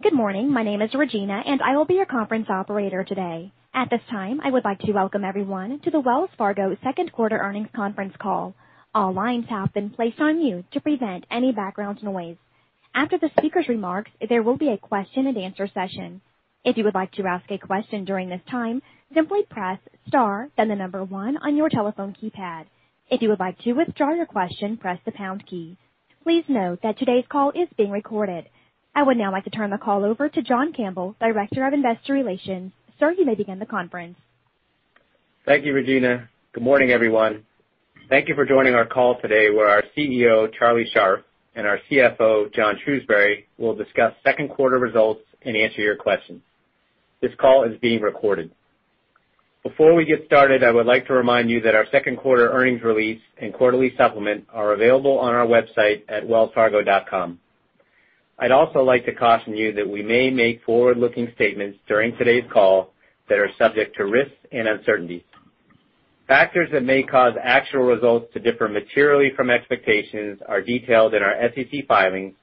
Good morning. My name is Regina, and I will be your conference operator today. At this time, I would like to welcome everyone to the Wells Fargo second quarter earnings conference call. All lines have been placed on mute to prevent any background noise. After the speaker's remarks, there will be a question and answer session. If you would like to ask a question during this time, simply press star, then the number one on your telephone keypad. If you would like to withdraw your question, press the pound key. Please note that today's call is being recorded. I would now like to turn the call over to John Campbell, Director of Investor Relations. Sir, you may begin the conference. Thank you, Regina. Good morning, everyone. Thank you for joining our call today, where our CEO, Charlie Scharf, and our CFO, John Shrewsberry, will discuss second quarter results and answer your questions. This call is being recorded. Before we get started, I would like to remind you that our second quarter earnings release and quarterly supplement are available on our website at wellsfargo.com. I'd also like to caution you that we may make forward-looking statements during today's call that are subject to risks and uncertainties. Factors that may cause actual results to differ materially from expectations are detailed in our SEC filings,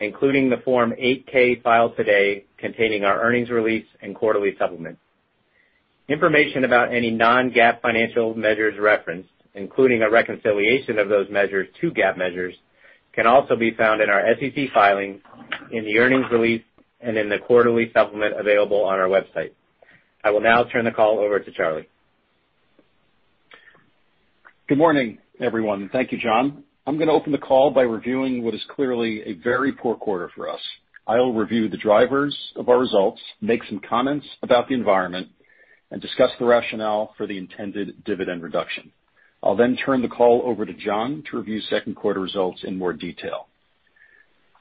including the Form 8-K filed today containing our earnings release and quarterly supplement. Information about any non-GAAP financial measures referenced, including a reconciliation of those measures to GAAP measures, can also be found in our SEC filings, in the earnings release, and in the quarterly supplement available on our website. I will now turn the call over to Charlie. Good morning, everyone. Thank you, John. I'm going to open the call by reviewing what is clearly a very poor quarter for us. I'll review the drivers of our results, make some comments about the environment, and discuss the rationale for the intended dividend reduction. I'll turn the call over to John to review second quarter results in more detail.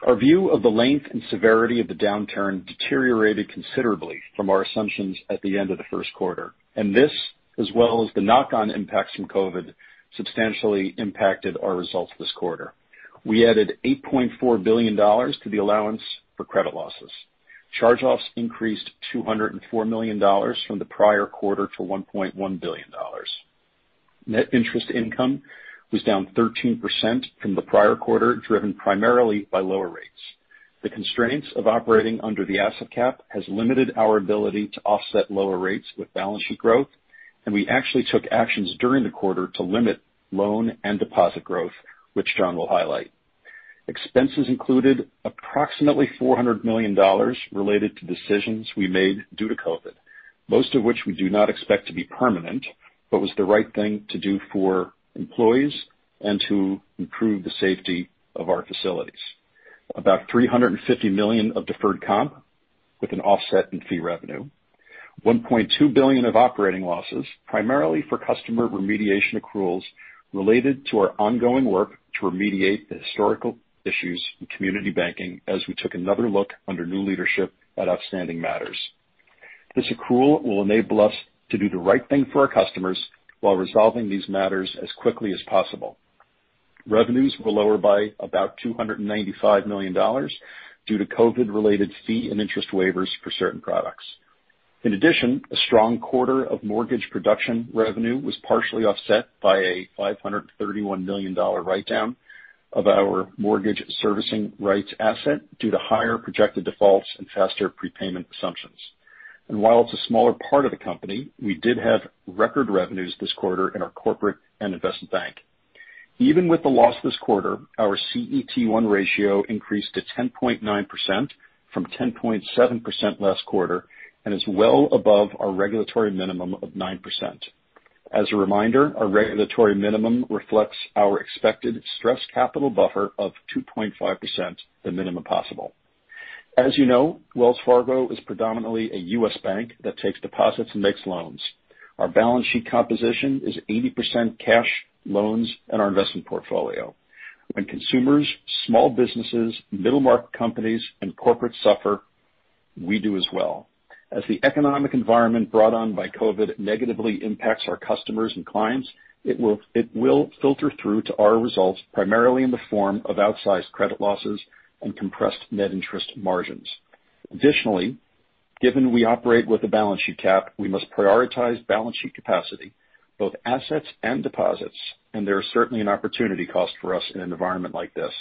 Our view of the length and severity of the downturn deteriorated considerably from our assumptions at the end of the first quarter, and this, as well as the knock-on impacts from COVID, substantially impacted our results this quarter. We added $8.4 billion to the allowance for credit losses. Charge-offs increased $204 million from the prior quarter to $1.1 billion. Net interest income was down 13% from the prior quarter, driven primarily by lower rates. The constraints of operating under the asset cap has limited our ability to offset lower rates with balance sheet growth, and we actually took actions during the quarter to limit loan and deposit growth, which John will highlight. Expenses included approximately $400 million related to decisions we made due to COVID, most of which we do not expect to be permanent, but was the right thing to do for employees and to improve the safety of our facilities. About $350 million of deferred comp with an offset in fee revenue, $1.2 billion of operating losses, primarily for customer remediation accruals related to our ongoing work to remediate the historical issues in community banking as we took another look under new leadership at outstanding matters. This accrual will enable us to do the right thing for our customers while resolving these matters as quickly as possible. Revenues were lower by about $295 million due to COVID-related fee and interest waivers for certain products. In addition, a strong quarter of mortgage production revenue was partially offset by a $531 million write-down of our mortgage servicing rights asset due to higher projected defaults and faster prepayment assumptions. While it's a smaller part of the company, we did have record revenues this quarter in our corporate and investment bank. Even with the loss this quarter, our CET1 ratio increased to 10.9% from 10.7% last quarter and is well above our regulatory minimum of 9%. As a reminder, our regulatory minimum reflects our expected stress capital buffer of 2.5%, the minimum possible. As you know, Wells Fargo is predominantly a U.S. bank that takes deposits and makes loans. Our balance sheet composition is 80% cash, loans, and our investment portfolio. When consumers, small businesses, middle-market companies, and corporates suffer, we do as well. As the economic environment brought on by COVID negatively impacts our customers and clients, it will filter through to our results primarily in the form of outsized credit losses and compressed net interest margins. Additionally, given we operate with a balance sheet cap, we must prioritize balance sheet capacity, both assets and deposits, and there is certainly an opportunity cost for us in an environment like this.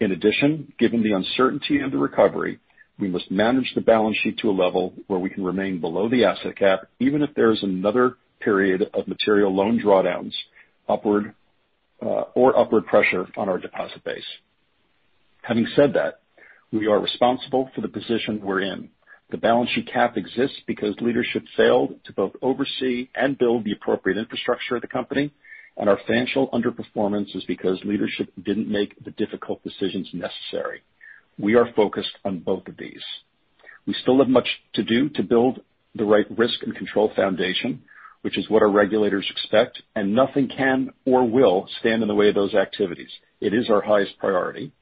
In addition, given the uncertainty of the recovery, we must manage the balance sheet to a level where we can remain below the asset cap, even if there's another period of material loan drawdowns or upward pressure on our deposit base. Having said that, we are responsible for the position we're in. The balance sheet cap exists because leadership failed to both oversee and build the appropriate infrastructure of the company, and our financial underperformance is because leadership didn't make the difficult decisions necessary. We are focused on both of these. We still have much to do to build the right risk and control foundation, which is what our regulators expect, and nothing can or will stand in the way of those activities. It is our highest priority.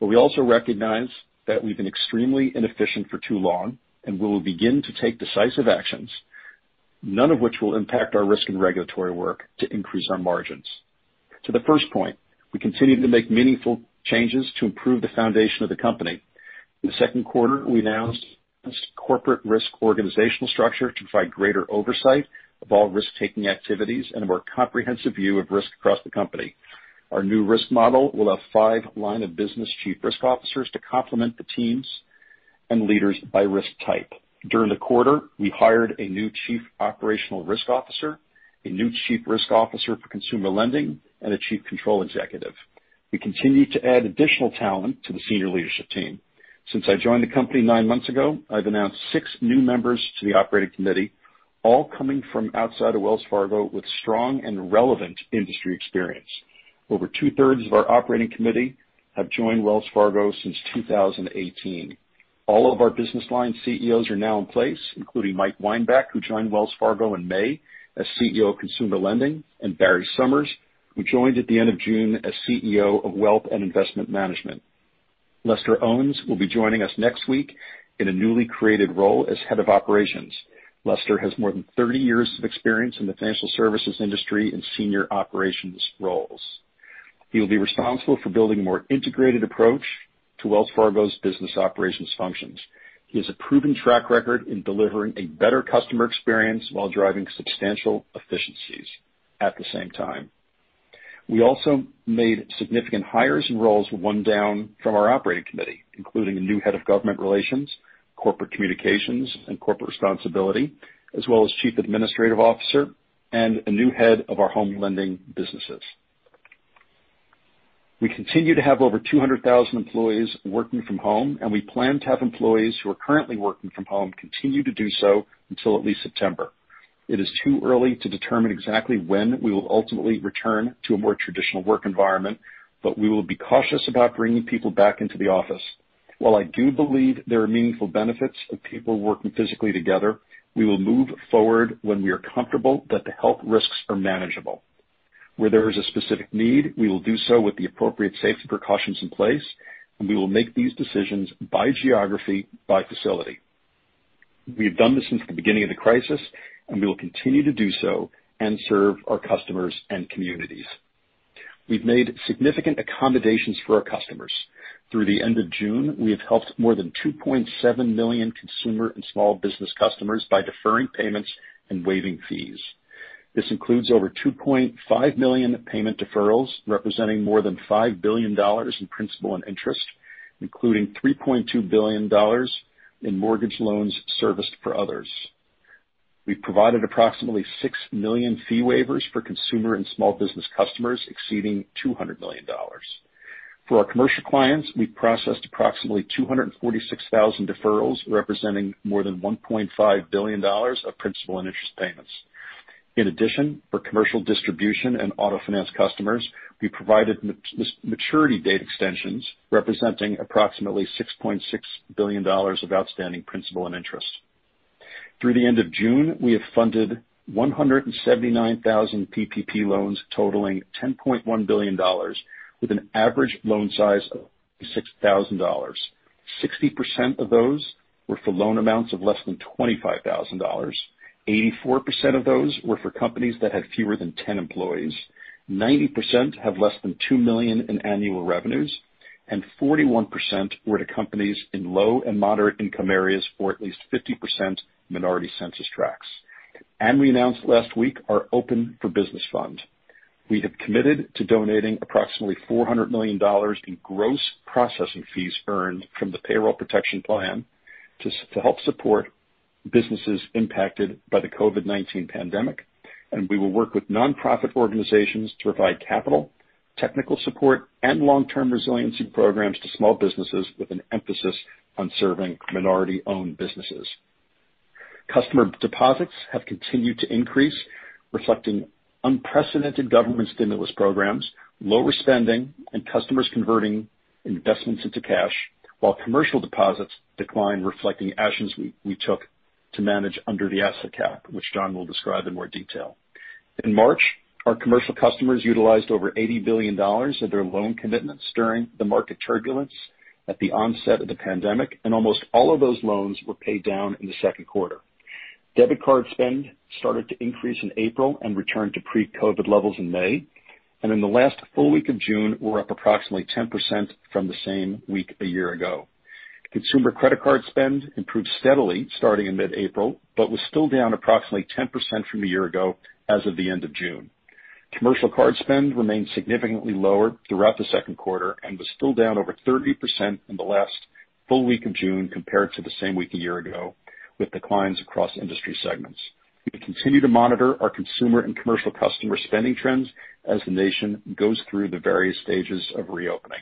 We also recognize that we've been extremely inefficient for too long, and we will begin to take decisive actions, none of which will impact our risk and regulatory work to increase our margins. To the first point, we continue to make meaningful changes to improve the foundation of the company. In the second quarter, we announced corporate risk organizational structure to provide greater oversight of all risk-taking activities and a more comprehensive view of risk across the company. Our new risk model will have five line of business chief risk officers to complement the teams and leaders by risk type. During the quarter, we hired a new Chief Operational Risk Officer, a new Chief Risk Officer for Consumer Lending, and a Chief Control Executive. We continue to add additional talent to the senior leadership team. Since I joined the company nine months ago, I've announced six new members to the Operating Committee, all coming from outside of Wells Fargo with strong and relevant industry experience. Over two-thirds of our Operating Committee have joined Wells Fargo since 2018. All of our business line CEOs are now in place, including Mike Weinbach, who joined Wells Fargo in May as CEO of consumer lending, and Barry Sommers, who joined at the end of June as CEO of Wealth and Investment Management. Lester Owens will be joining us next week in a newly created role as head of operations. Lester has more than 30 years of experience in the financial services industry in senior operations roles. He will be responsible for building a more integrated approach to Wells Fargo's business operations functions. He has a proven track record in delivering a better customer experience while driving substantial efficiencies at the same time. We also made significant hires in roles one down from our Operating Committee, including a new head of government relations, corporate communications, and corporate responsibility, as well as chief administrative officer and a new head of our home lending businesses. We continue to have over 200,000 employees working from home, and we plan to have employees who are currently working from home continue to do so until at least September. It is too early to determine exactly when we will ultimately return to a more traditional work environment, but we will be cautious about bringing people back into the office. While I do believe there are meaningful benefits of people working physically together, we will move forward when we are comfortable that the health risks are manageable. Where there is a specific need, we will do so with the appropriate safety precautions in place, and we will make these decisions by geography, by facility. We have done this since the beginning of the crisis, and we will continue to do so and serve our customers and communities. We've made significant accommodations for our customers. Through the end of June, we have helped more than 2.7 million consumer and small business customers by deferring payments and waiving fees. This includes over 2.5 million payment deferrals, representing more than $5 billion in principal and interest, including $3.2 billion in mortgage loans serviced for others. We've provided approximately 6 million fee waivers for consumer and small business customers, exceeding $200 million. For our commercial clients, we've processed approximately 246,000 deferrals, representing more than $1.5 billion of principal and interest payments. For commercial distribution and auto finance customers, we provided maturity date extensions representing approximately $6.6 billion of outstanding principal and interest. Through the end of June, we have funded 179,000 PPP loans totaling $10.1 billion, with an average loan size of $56,000. 60% of those were for loan amounts of less than $25,000. 84% of those were for companies that had fewer than 10 employees. 90% have less than $2 million in annual revenues, 41% were to companies in low and moderate income areas for at least 50% minority census tracts. We announced last week our Open for Business Fund. We have committed to donating approximately $400 million in gross processing fees earned from the Paycheck Protection Program to help support businesses impacted by the COVID-19 pandemic. We will work with nonprofit organizations to provide capital, technical support, and long-term resiliency programs to small businesses with an emphasis on serving minority-owned businesses. Customer deposits have continued to increase, reflecting unprecedented government stimulus programs, lower spending, and customers converting investments into cash, while commercial deposits decline, reflecting actions we took to manage under the asset cap, which John will describe in more detail. In March, our commercial customers utilized over $80 billion of their loan commitments during the market turbulence at the onset of the pandemic. Almost all of those loans were paid down in the second quarter. Debit card spend started to increase in April and returned to pre-COVID levels in May. In the last full week of June, we're up approximately 10% from the same week a year ago. Consumer credit card spend improved steadily starting in mid-April, but was still down approximately 10% from a year ago as of the end of June. Commercial card spend remained significantly lower throughout the second quarter and was still down over 30% in the last full week of June compared to the same week a year ago, with declines across industry segments. We continue to monitor our consumer and commercial customer spending trends as the nation goes through the various stages of reopening.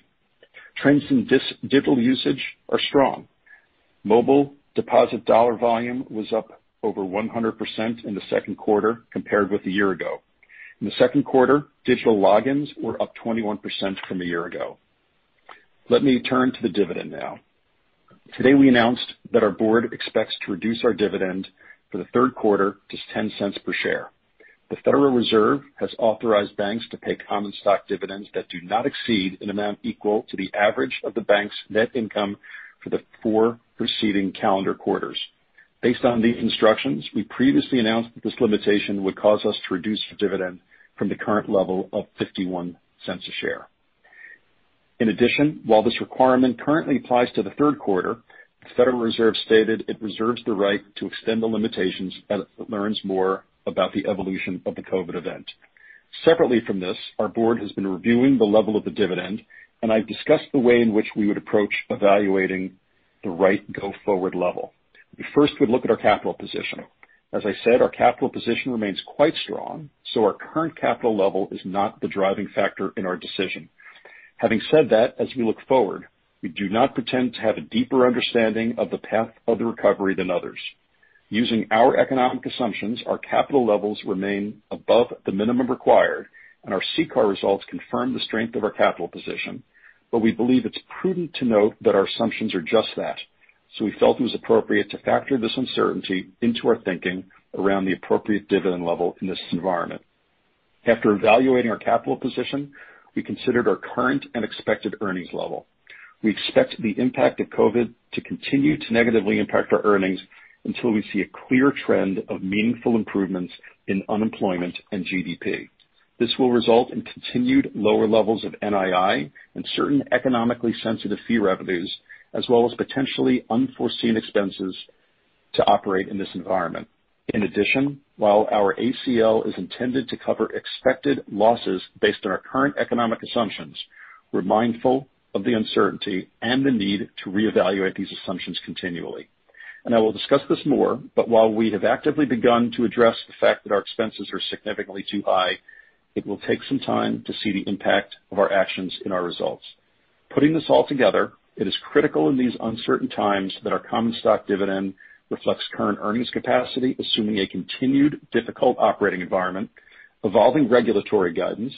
Trends in digital usage are strong. Mobile deposit dollar volume was up over 100% in the second quarter compared with a year ago. In the second quarter, digital logins were up 21% from a year ago. Let me turn to the dividend now. Today, we announced that our board expects to reduce our dividend for the third quarter to $0.10 per share. The Federal Reserve has authorized banks to pay common stock dividends that do not exceed an amount equal to the average of the bank's net income for the four preceding calendar quarters. Based on these instructions, we previously announced that this limitation would cause us to reduce the dividend from the current level of $0.51 a share. While this requirement currently applies to the third quarter, the Federal Reserve stated it reserves the right to extend the limitations as it learns more about the evolution of the COVID event. Separately from this, our board has been reviewing the level of the dividend, and I've discussed the way in which we would approach evaluating the right go-forward level. We first would look at our capital position. As I said, our capital position remains quite strong, our current capital level is not the driving factor in our decision. Having said that, as we look forward, we do not pretend to have a deeper understanding of the path of the recovery than others. Using our economic assumptions, our capital levels remain above the minimum required, our CCAR results confirm the strength of our capital position. We believe it's prudent to note that our assumptions are just that, we felt it was appropriate to factor this uncertainty into our thinking around the appropriate dividend level in this environment. After evaluating our capital position, we considered our current and expected earnings level. We expect the impact of COVID to continue to negatively impact our earnings until we see a clear trend of meaningful improvements in unemployment and GDP. This will result in continued lower levels of NII and certain economically sensitive fee revenues, as well as potentially unforeseen expenses to operate in this environment. In addition, while our ACL is intended to cover expected losses based on our current economic assumptions, we're mindful of the uncertainty and the need to reevaluate these assumptions continually. I will discuss this more, but while we have actively begun to address the fact that our expenses are significantly too high, it will take some time to see the impact of our actions in our results. Putting this all together, it is critical in these uncertain times that our common stock dividend reflects current earnings capacity, assuming a continued difficult operating environment, evolving regulatory guidance,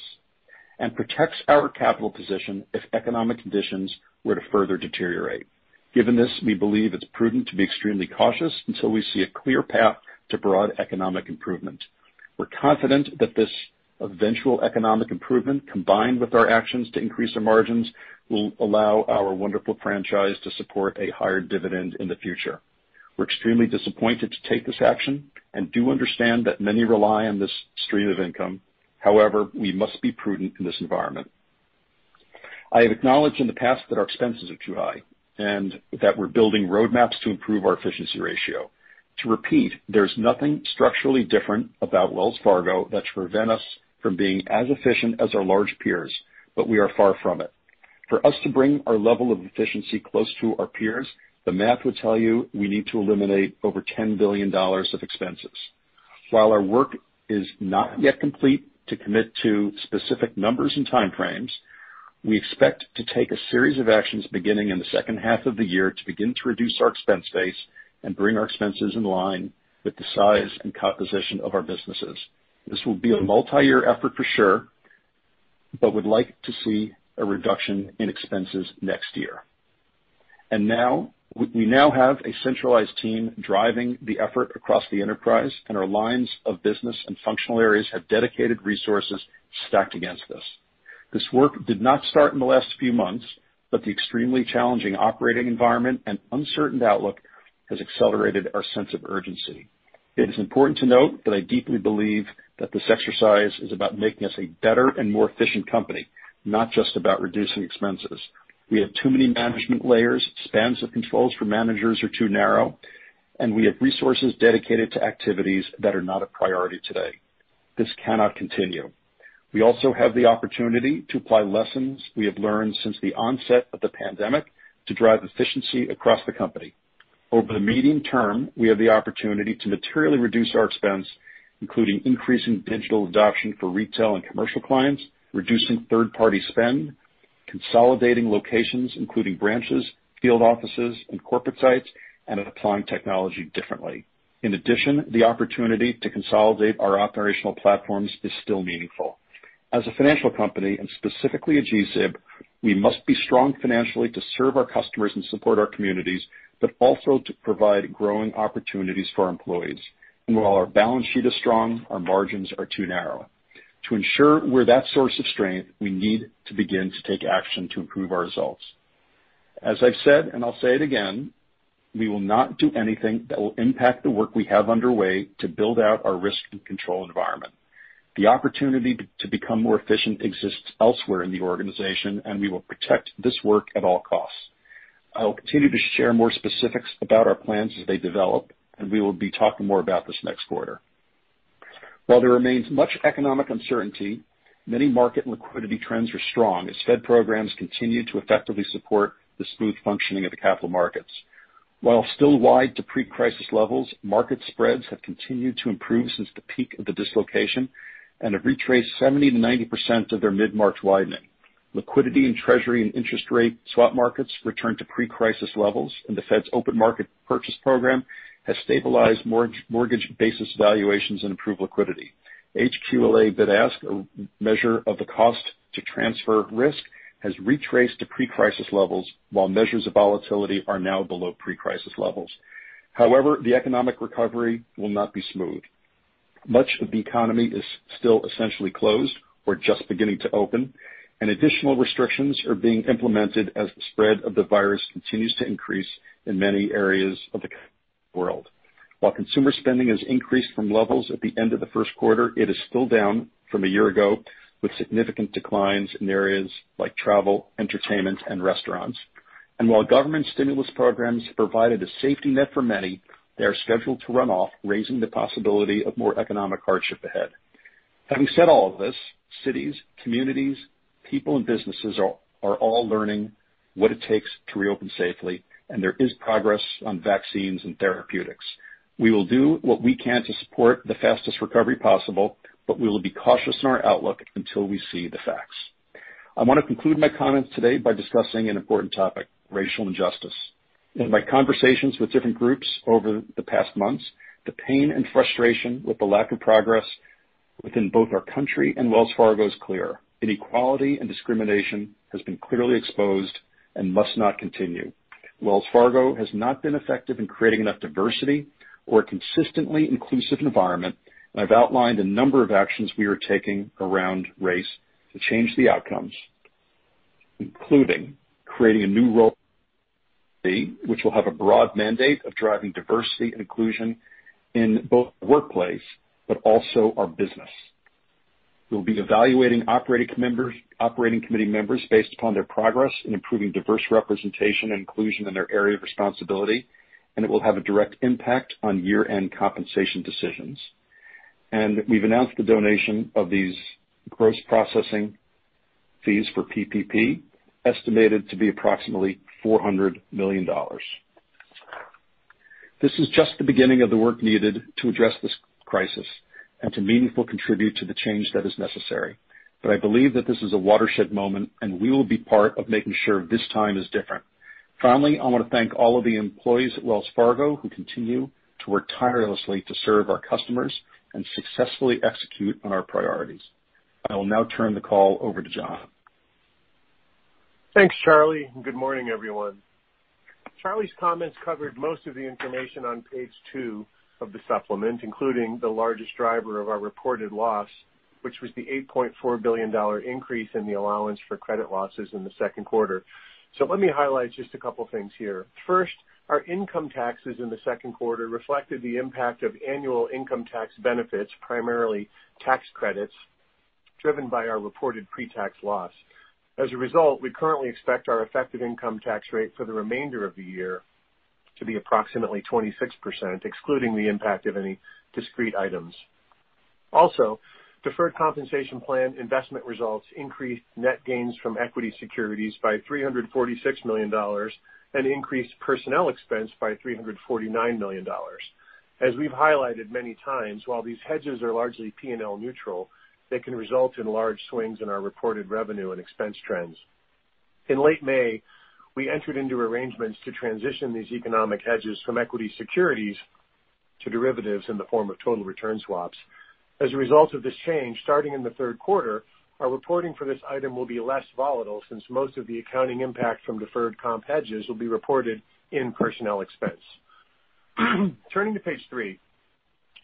and protects our capital position if economic conditions were to further deteriorate. Given this, we believe it's prudent to be extremely cautious until we see a clear path to broad economic improvement. We're confident that this eventual economic improvement, combined with our actions to increase the margins, will allow our wonderful franchise to support a higher dividend in the future. We're extremely disappointed to take this action and do understand that many rely on this stream of income. However, we must be prudent in this environment. I have acknowledged in the past that our expenses are too high and that we're building roadmaps to improve our efficiency ratio. To repeat, there's nothing structurally different about Wells Fargo that should prevent us from being as efficient as our large peers, but we are far from it. For us to bring our level of efficiency close to our peers, the math would tell you we need to eliminate over $10 billion of expenses. While our work is not yet complete to commit to specific numbers and time frames, we expect to take a series of actions beginning in the second half of the year to begin to reduce our expense base and bring our expenses in line with the size and composition of our businesses. This will be a multi-year effort for sure, but would like to see a reduction in expenses next year. We now have a centralized team driving the effort across the enterprise, and our lines of business and functional areas have dedicated resources stacked against us. This work did not start in the last few months, but the extremely challenging operating environment and uncertain outlook has accelerated our sense of urgency. It is important to note that I deeply believe that this exercise is about making us a better and more efficient company, not just about reducing expenses. We have too many management layers, spans of controls for managers are too narrow, and we have resources dedicated to activities that are not a priority today. This cannot continue. We also have the opportunity to apply lessons we have learned since the onset of the pandemic to drive efficiency across the company. Over the medium term, we have the opportunity to materially reduce our expense, including increasing digital adoption for retail and commercial clients, reducing third-party spend, consolidating locations, including branches, field offices, and corporate sites, and applying technology differently. The opportunity to consolidate our operational platforms is still meaningful. As a financial company, and specifically a GSIB, we must be strong financially to serve our customers and support our communities, but also to provide growing opportunities for our employees. While our balance sheet is strong, our margins are too narrow. To ensure we're that source of strength, we need to begin to take action to improve our results. As I've said, and I'll say it again, we will not do anything that will impact the work we have underway to build out our risk and control environment. The opportunity to become more efficient exists elsewhere in the organization, and we will protect this work at all costs. I will continue to share more specifics about our plans as they develop, and we will be talking more about this next quarter. While there remains much economic uncertainty, many market and liquidity trends are strong as Fed programs continue to effectively support the smooth functioning of the capital markets. While still wide to pre-crisis levels, market spreads have continued to improve since the peak of the dislocation and have retraced 70%-90% of their mid-March widening. Liquidity in Treasury and interest rate swap markets returned to pre-crisis levels, the Fed's open market purchase program has stabilized mortgage basis valuations and improved liquidity. HQLA bid-ask, a measure of the cost to transfer risk, has retraced to pre-crisis levels, while measures of volatility are now below pre-crisis levels. The economic recovery will not be smooth. Much of the economy is still essentially closed or just beginning to open, additional restrictions are being implemented as the spread of the virus continues to increase in many areas of the world. While consumer spending has increased from levels at the end of the first quarter, it is still down from a year ago, with significant declines in areas like travel, entertainment, and restaurants. While government stimulus programs provided a safety net for many, they are scheduled to run off, raising the possibility of more economic hardship ahead. Having said all of this, cities, communities, people, and businesses are all learning what it takes to reopen safely, and there is progress on vaccines and therapeutics. We will do what we can to support the fastest recovery possible, but we will be cautious in our outlook until we see the facts. I want to conclude my comments today by discussing an important topic, racial injustice. In my conversations with different groups over the past months, the pain and frustration with the lack of progress within both our country and Wells Fargo is clear. Inequality and discrimination has been clearly exposed and must not continue. Wells Fargo has not been effective in creating enough diversity or a consistently inclusive environment. I've outlined a number of actions we are taking around race to change the outcomes, including creating a new role, which will have a broad mandate of driving diversity and inclusion in both the workplace, but also our business. We'll be evaluating operating committee members based upon their progress in improving diverse representation and inclusion in their area of responsibility, and it will have a direct impact on year-end compensation decisions. We've announced the donation of these gross processing fees for PPP, estimated to be approximately $400 million. This is just the beginning of the work needed to address this crisis and to meaningfully contribute to the change that is necessary. I believe that this is a watershed moment, and we will be part of making sure this time is different. Finally, I want to thank all of the employees at Wells Fargo who continue to work tirelessly to serve our customers and successfully execute on our priorities. I will now turn the call over to John. Thanks, Charlie. Good morning, everyone. Charlie's comments covered most of the information on page two of the supplement, including the largest driver of our reported loss, which was the $8.4 billion increase in the allowance for credit losses in the second quarter. Let me highlight just a couple things here. First, our income taxes in the second quarter reflected the impact of annual income tax benefits, primarily tax credits, driven by our reported pre-tax loss. As a result, we currently expect our effective income tax rate for the remainder of the year to be approximately 26%, excluding the impact of any discrete items. Also, deferred compensation plan investment results increased net gains from equity securities by $346 million and increased personnel expense by $349 million. As we've highlighted many times, while these hedges are largely P&L neutral, they can result in large swings in our reported revenue and expense trends. In late May, we entered into arrangements to transition these economic hedges from equity securities to derivatives in the form of total return swaps. As a result of this change, starting in the third quarter, our reporting for this item will be less volatile since most of the accounting impact from deferred comp hedges will be reported in personnel expense. Turning to page three,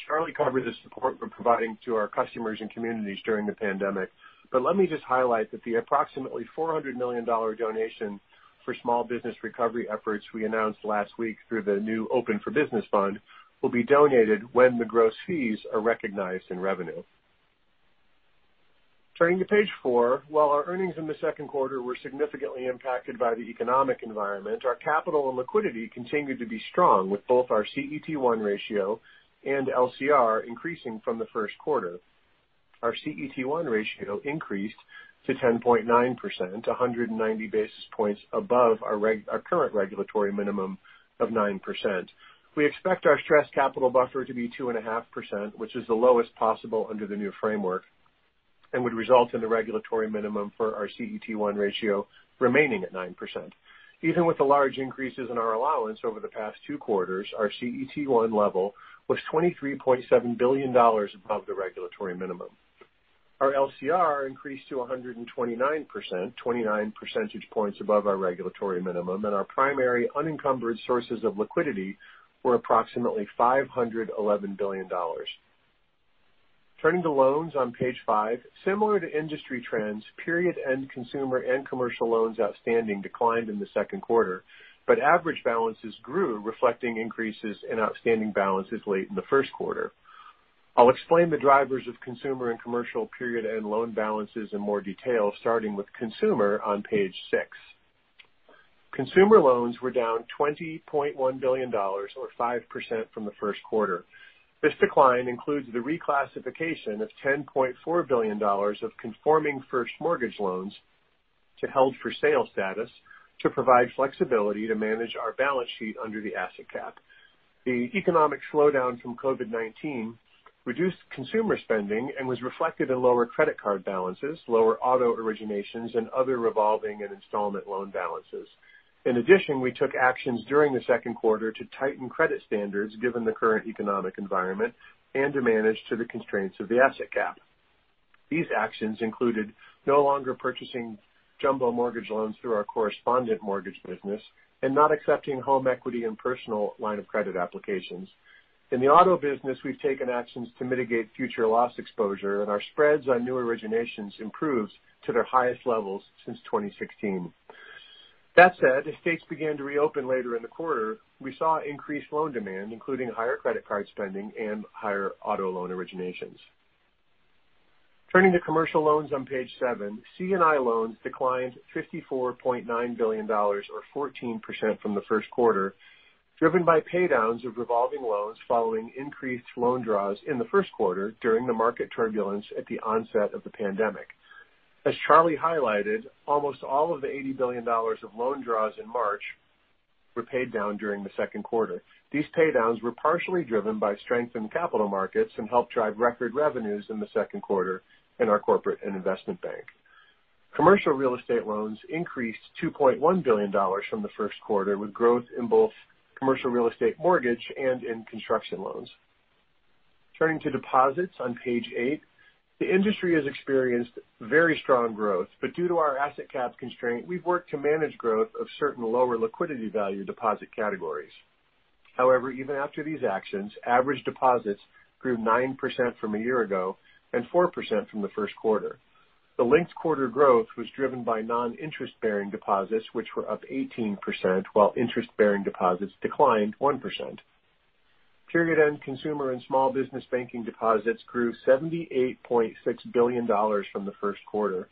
Charlie covered the support we're providing to our customers and communities during the pandemic. Let me just highlight that the approximately $400 million donation for small business recovery efforts we announced last week through the new Open for Business Fund will be donated when the gross fees are recognized in revenue. Turning to page four. While our earnings in the second quarter were significantly impacted by the economic environment, our capital and liquidity continued to be strong with both our CET1 ratio and LCR increasing from the first quarter. Our CET1 ratio increased to 10.9%, 190 basis points above our current regulatory minimum of 9%. We expect our stress capital buffer to be 2.5%, which is the lowest possible under the new framework and would result in a regulatory minimum for our CET1 ratio remaining at 9%. Even with the large increases in our allowance over the past two quarters, our CET1 level was $23.7 billion above the regulatory minimum. Our LCR increased to 129%, 29 percentage points above our regulatory minimum, and our primary unencumbered sources of liquidity were approximately $511 billion. Turning to loans on page five. Similar to industry trends, period-end consumer and commercial loans outstanding declined in the second quarter, but average balances grew, reflecting increases in outstanding balances late in the first quarter. I'll explain the drivers of consumer and commercial period end loan balances in more detail, starting with consumer on page six. Consumer loans were down $20.1 billion, or 5% from the first quarter. This decline includes the reclassification of $10.4 billion of conforming first mortgage loans to held-for-sale status to provide flexibility to manage our balance sheet under the asset cap. The economic slowdown from COVID-19 reduced consumer spending and was reflected in lower credit card balances, lower auto originations, and other revolving and installment loan balances. In addition, we took actions during the second quarter to tighten credit standards, given the current economic environment and to manage to the constraints of the asset cap. These actions included no longer purchasing jumbo mortgage loans through our correspondent mortgage business and not accepting home equity and personal line of credit applications. In the auto business, we've taken actions to mitigate future loss exposure, and our spreads on new originations improved to their highest levels since 2016. That said, as states began to reopen later in the quarter, we saw increased loan demand, including higher credit card spending and higher auto loan originations. Turning to commercial loans on page seven, C&I loans declined $54.9 billion or 14% from the first quarter, driven by paydowns of revolving loans following increased loan draws in the first quarter during the market turbulence at the onset of the pandemic. As Charlie highlighted, almost all of the $80 billion of loan draws in March were paid down during the second quarter. These paydowns were partially driven by strength in capital markets and helped drive record revenues in the second quarter in our corporate and investment bank. Commercial real estate loans increased $2.1 billion from the first quarter, with growth in both commercial real estate mortgage and in construction loans. Turning to deposits on page eight. Due to our asset cap constraint, we've worked to manage growth of certain lower liquidity value deposit categories. However, even after these actions, average deposits grew 9% from a year ago and 4% from the first quarter. The linked quarter growth was driven by non-interest-bearing deposits, which were up 18%, while interest-bearing deposits declined 1%. Period end consumer and small business banking deposits grew $78.6 billion from the first quarter.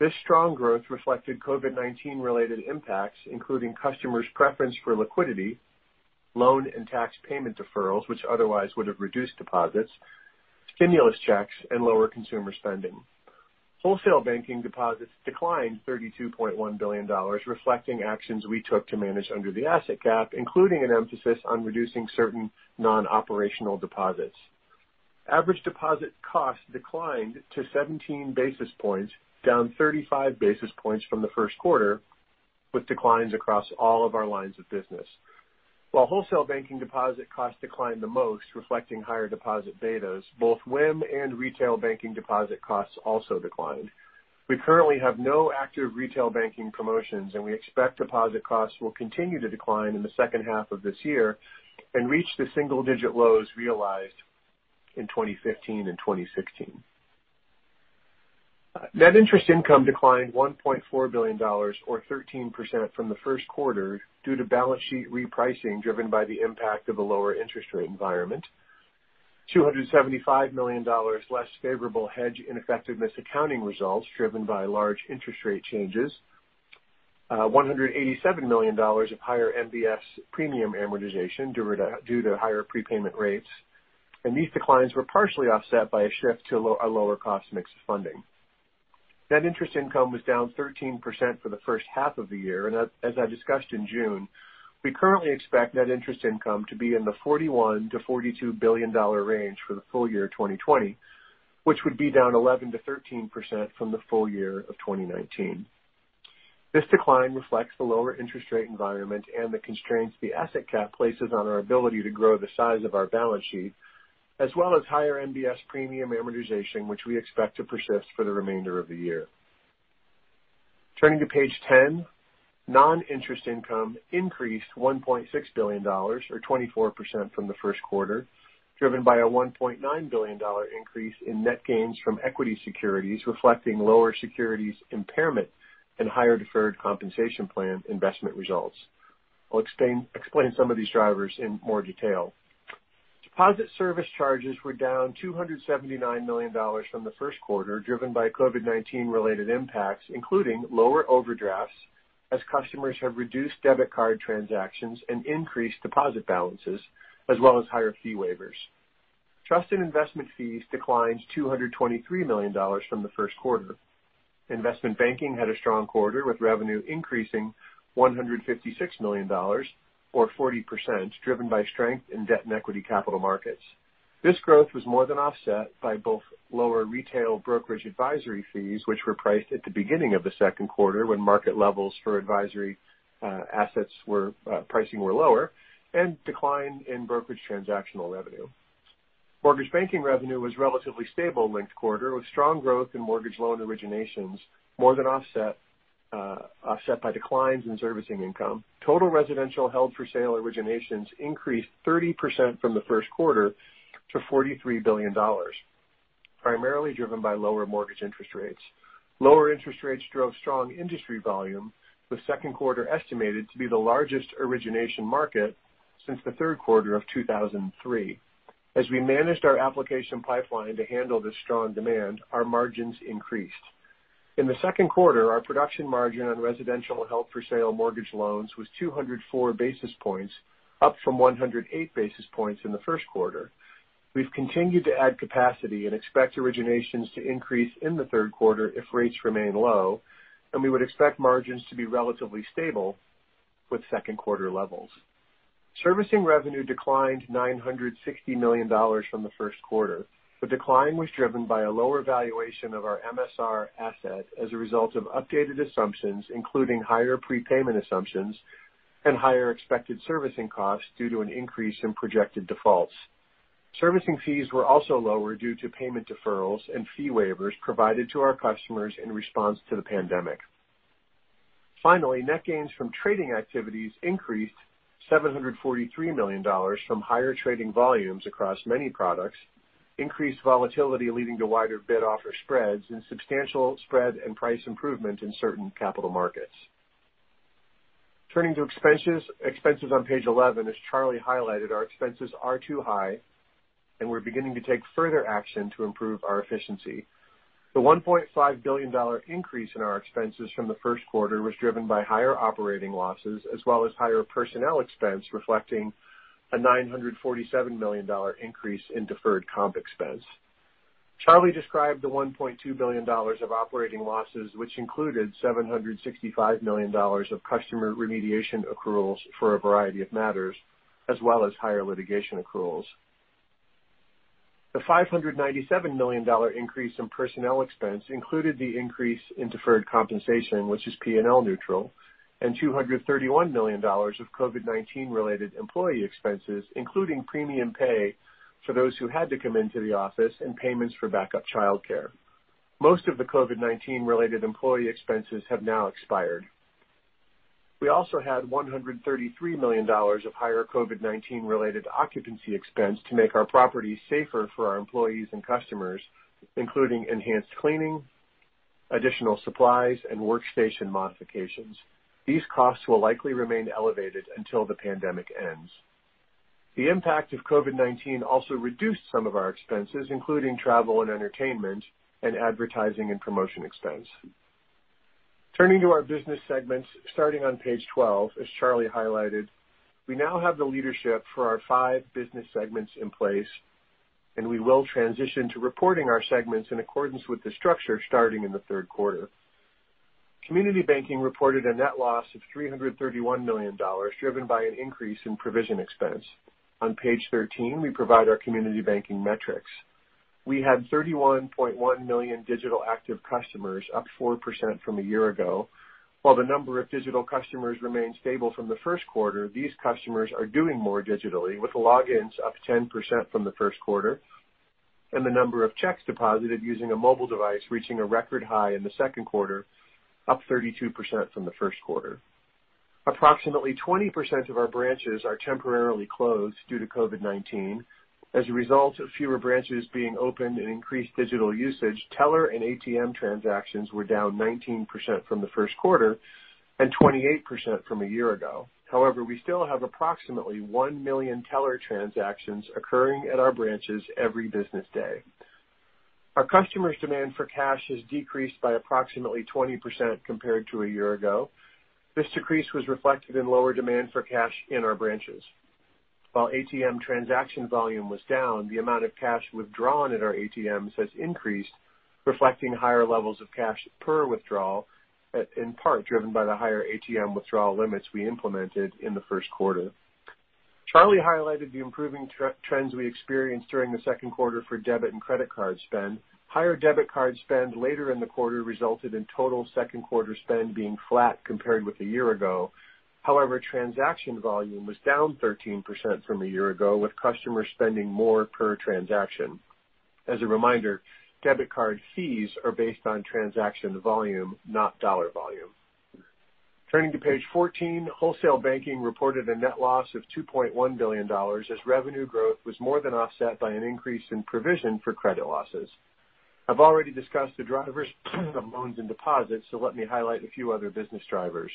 This strong growth reflected COVID-19 related impacts, including customers' preference for liquidity, loan and tax payment deferrals, which otherwise would have reduced deposits, stimulus checks, and lower consumer spending. Wholesale banking deposits declined $32.1 billion, reflecting actions we took to manage under the asset cap, including an emphasis on reducing certain non-operational deposits. Average deposit costs declined to 17 basis points, down 35 basis points from the first quarter, with declines across all of our lines of business. While wholesale banking deposit costs declined the most, reflecting higher deposit betas, both WIM and retail banking deposit costs also declined. We currently have no active retail banking promotions, and we expect deposit costs will continue to decline in the second half of this year and reach the single-digit lows realized in 2015 and 2016. Net interest income declined $1.4 billion or 13% from the first quarter due to balance sheet repricing driven by the impact of a lower interest rate environment. $275 million less favorable hedge ineffectiveness accounting results driven by large interest rate changes. $187 million of higher MBS premium amortization due to higher prepayment rates. These declines were partially offset by a shift to a lower cost mix of funding. Net interest income was down 13% for the first half of the year. As I discussed in June, we currently expect net interest income to be in the $41 billion-$42 billion range for the full year 2020, which would be down 11%-13% from the full year of 2019. This decline reflects the lower interest rate environment and the constraints the asset cap places on our ability to grow the size of our balance sheet, as well as higher MBS premium amortization, which we expect to persist for the remainder of the year. Turning to page 10. Non-interest income increased $1.6 billion or 24% from the first quarter, driven by a $1.9 billion increase in net gains from equity securities, reflecting lower securities impairment and higher deferred compensation plan investment results. I'll explain some of these drivers in more detail. Deposit service charges were down $279 million from the first quarter, driven by COVID-19 related impacts, including lower overdrafts as customers have reduced debit card transactions and increased deposit balances, as well as higher fee waivers. Trust and investment fees declined $223 million from the first quarter. Investment banking had a strong quarter, with revenue increasing $156 million or 40%, driven by strength in debt and equity capital markets. This growth was more than offset by both lower retail brokerage advisory fees, which were priced at the beginning of the second quarter when market levels for advisory pricing were lower and decline in brokerage transactional revenue. Mortgage banking revenue was relatively stable linked quarter, with strong growth in mortgage loan originations more than offset by declines in servicing income. Total residential held-for-sale originations increased 30% from the first quarter to $43 billion, primarily driven by lower mortgage interest rates. Lower interest rates drove strong industry volume, with second quarter estimated to be the largest origination market since the third quarter of 2003. As we managed our application pipeline to handle this strong demand, our margins increased. In the second quarter, our production margin on residential held-for-sale mortgage loans was 204 basis points, up from 108 basis points in the first quarter. We've continued to add capacity and expect originations to increase in the third quarter if rates remain low, and we would expect margins to be relatively stable with second quarter levels. Servicing revenue declined $960 million from the first quarter. The decline was driven by a lower valuation of our MSR asset as a result of updated assumptions, including higher prepayment assumptions and higher expected servicing costs due to an increase in projected defaults. Servicing fees were also lower due to payment deferrals and fee waivers provided to our customers in response to the pandemic. Finally, net gains from trading activities increased $743 million from higher trading volumes across many products, increased volatility leading to wider bid offer spreads, and substantial spread and price improvement in certain capital markets. Turning to expenses on page 11, as Charlie highlighted, our expenses are too high, and we're beginning to take further action to improve our efficiency. The $1.5 billion increase in our expenses from the first quarter was driven by higher operating losses as well as higher personnel expense, reflecting a $947 million increase in deferred comp expense. Charlie described the $1.2 billion of operating losses, which included $765 million of customer remediation accruals for a variety of matters, as well as higher litigation accruals. The $597 million increase in personnel expense included the increase in deferred compensation, which is P&L neutral, and $231 million of COVID-19 related employee expenses, including premium pay for those who had to come into the office and payments for backup childcare. Most of the COVID-19 related employee expenses have now expired. We also had $133 million of higher COVID-19 related occupancy expense to make our properties safer for our employees and customers, including enhanced cleaning, additional supplies, and workstation modifications. These costs will likely remain elevated until the pandemic ends. The impact of COVID-19 also reduced some of our expenses, including travel and entertainment, and advertising and promotion expense. Turning to our business segments, starting on page 12, as Charlie highlighted, we now have the leadership for our five business segments in place, and we will transition to reporting our segments in accordance with the structure starting in the third quarter. Community Banking reported a net loss of $331 million, driven by an increase in provision expense. On page 13, we provide our Community Banking metrics. We had 31.1 million digital active customers, up 4% from a year ago. While the number of digital customers remained stable from the first quarter, these customers are doing more digitally, with logins up 10% from the first quarter, and the number of checks deposited using a mobile device reaching a record high in the second quarter, up 32% from the first quarter. Approximately 20% of our branches are temporarily closed due to COVID-19. As a result of fewer branches being open and increased digital usage, teller and ATM transactions were down 19% from the first quarter and 28% from a year ago. We still have approximately 1 million teller transactions occurring at our branches every business day. Our customers' demand for cash has decreased by approximately 20% compared to a year ago. This decrease was reflected in lower demand for cash in our branches. While ATM transaction volume was down, the amount of cash withdrawn at our ATMs has increased, reflecting higher levels of cash per withdrawal, in part driven by the higher ATM withdrawal limits we implemented in the first quarter. Charlie highlighted the improving trends we experienced during the second quarter for debit and credit card spend. Higher debit card spend later in the quarter resulted in total second quarter spend being flat compared with a year ago. However, transaction volume was down 13% from a year ago, with customers spending more per transaction. As a reminder, debit card fees are based on transaction volume, not dollar volume. Turning to page 14, wholesale banking reported a net loss of $2.1 billion as revenue growth was more than offset by an increase in provision for credit losses. I've already discussed the drivers of loans and deposits, so let me highlight a few other business drivers.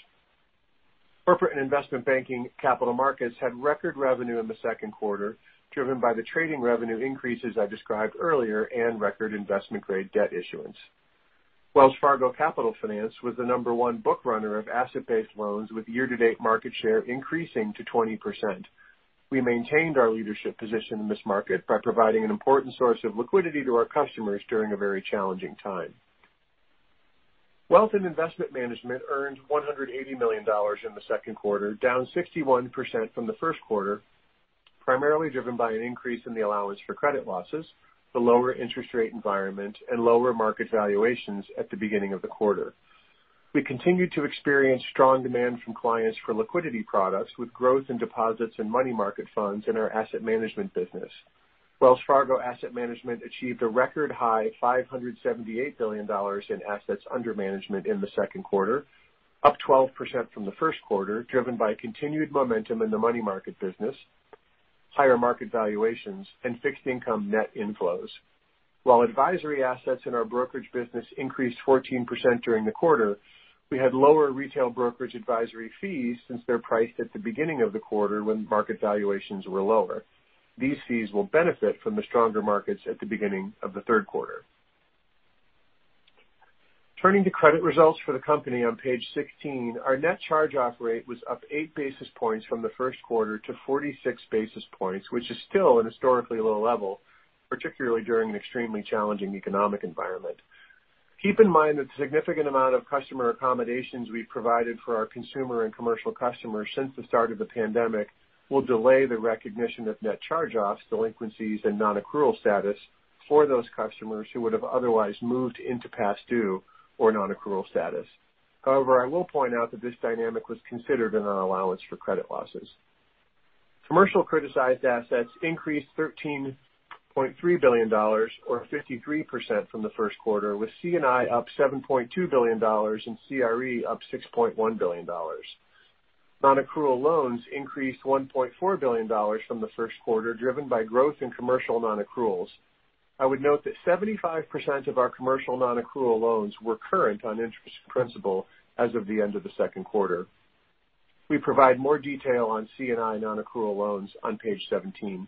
Corporate and Investment Banking Capital Markets had record revenue in the second quarter, driven by the trading revenue increases I described earlier and record investment-grade debt issuance. Wells Fargo Capital Finance was the number one book runner of asset-based loans, with year-to-date market share increasing to 20%. We maintained our leadership position in this market by providing an important source of liquidity to our customers during a very challenging time. Wealth and Investment Management earned $180 million in the second quarter, down 61% from the first quarter, primarily driven by an increase in the allowance for credit losses, the lower interest rate environment, and lower market valuations at the beginning of the quarter. We continued to experience strong demand from clients for liquidity products, with growth in deposits and money market funds in our asset management business. Wells Fargo Asset Management achieved a record high $578 billion in assets under management in the second quarter, up 12% from the first quarter, driven by continued momentum in the money market business, higher market valuations, and fixed income net inflows. While advisory assets in our brokerage business increased 14% during the quarter, we had lower retail brokerage advisory fees since they're priced at the beginning of the quarter when market valuations were lower. These fees will benefit from the stronger markets at the beginning of the third quarter. Turning to credit results for the company on page 16, our net charge-off rate was up eight basis points from the first quarter to 46 basis points, which is still an historically low level, particularly during an extremely challenging economic environment. Keep in mind that the significant amount of customer accommodations we've provided for our consumer and commercial customers since the start of the pandemic will delay the recognition of net charge-offs, delinquencies, and non-accrual status for those customers who would have otherwise moved into past due or non-accrual status. However, I will point out that this dynamic was considered in our allowance for credit losses. Commercial criticized assets increased $13.3 billion or 53% from the first quarter, with C&I up $7.2 billion and CRE up $6.1 billion. Non-accrual loans increased $1.4 billion from the first quarter, driven by growth in commercial non-accruals. I would note that 75% of our commercial non-accrual loans were current on interest principal as of the end of the second quarter. We provide more detail on C&I non-accrual loans on page 17.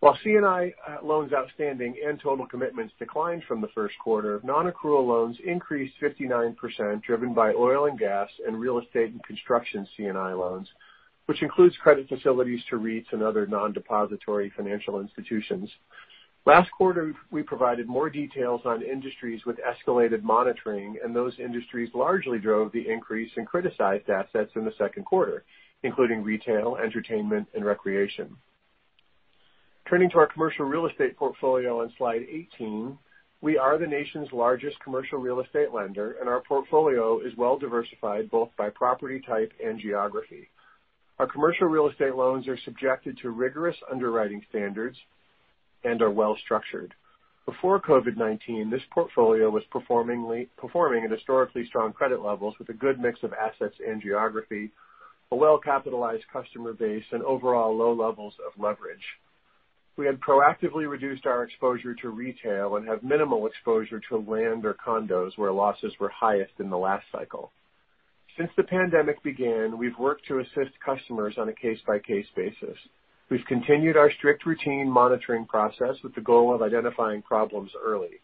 While C&I loans outstanding and total commitments declined from the first quarter, non-accrual loans increased 59%, driven by oil and gas and real estate and construction C&I loans, which includes credit facilities to REITs and other non-depository financial institutions. Those industries largely drove the increase in criticized assets in the second quarter, including retail, entertainment, and recreation. Turning to our commercial real estate portfolio on slide 18. We are the nation's largest commercial real estate lender. Our portfolio is well-diversified, both by property type and geography. Our commercial real estate loans are subjected to rigorous underwriting standards and are well-structured. Before COVID-19, this portfolio was performing at historically strong credit levels with a good mix of assets and geography, a well-capitalized customer base, and overall low levels of leverage. We had proactively reduced our exposure to retail and have minimal exposure to land or condos where losses were highest in the last cycle. Since the pandemic began, we've worked to assist customers on a case-by-case basis. We've continued our strict routine monitoring process with the goal of identifying problems early.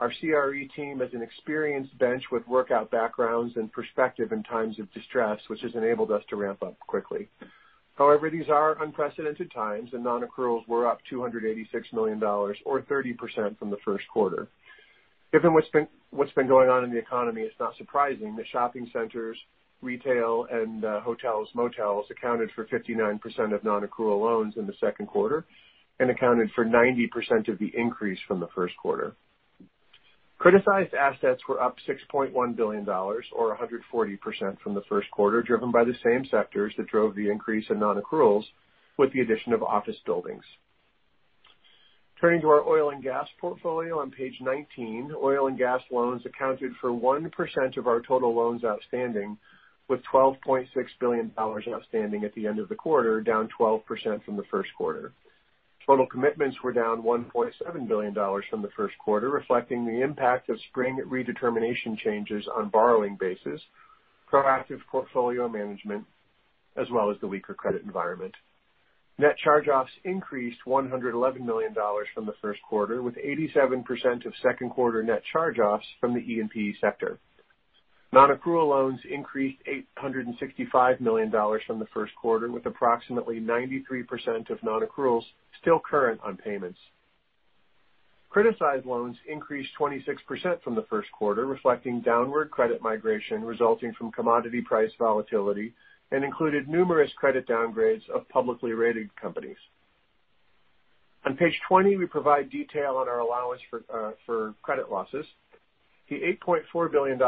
Our CRE team is an experienced bench with workout backgrounds and perspective in times of distress, which has enabled us to ramp up quickly. These are unprecedented times and non-accruals were up $286 million or 30% from the first quarter. Given what's been going on in the economy, it's not surprising that shopping centers, retail, and hotels, motels accounted for 59% of non-accrual loans in the second quarter and accounted for 90% of the increase from the first quarter. Criticized assets were up $6.1 billion or 140% from the first quarter, driven by the same sectors that drove the increase in non-accruals with the addition of office buildings. Turning to our oil and gas portfolio on page 19. Oil and gas loans accounted for 1% of our total loans outstanding, with $12.6 billion outstanding at the end of the quarter, down 12% from the first quarter. Total commitments were down $1.7 billion from the first quarter, reflecting the impact of spring redetermination changes on borrowing bases, proactive portfolio management, as well as the weaker credit environment. Net charge-offs increased $111 million from the first quarter, with 87% of second quarter net charge-offs from the E&P sector. Non-accrual loans increased $865 million from the first quarter, with approximately 93% of non-accruals still current on payments. Criticized loans increased 26% from the first quarter, reflecting downward credit migration resulting from commodity price volatility, and included numerous credit downgrades of publicly rated companies. On page 20, we provide detail on our allowance for credit losses. The $8.4 billion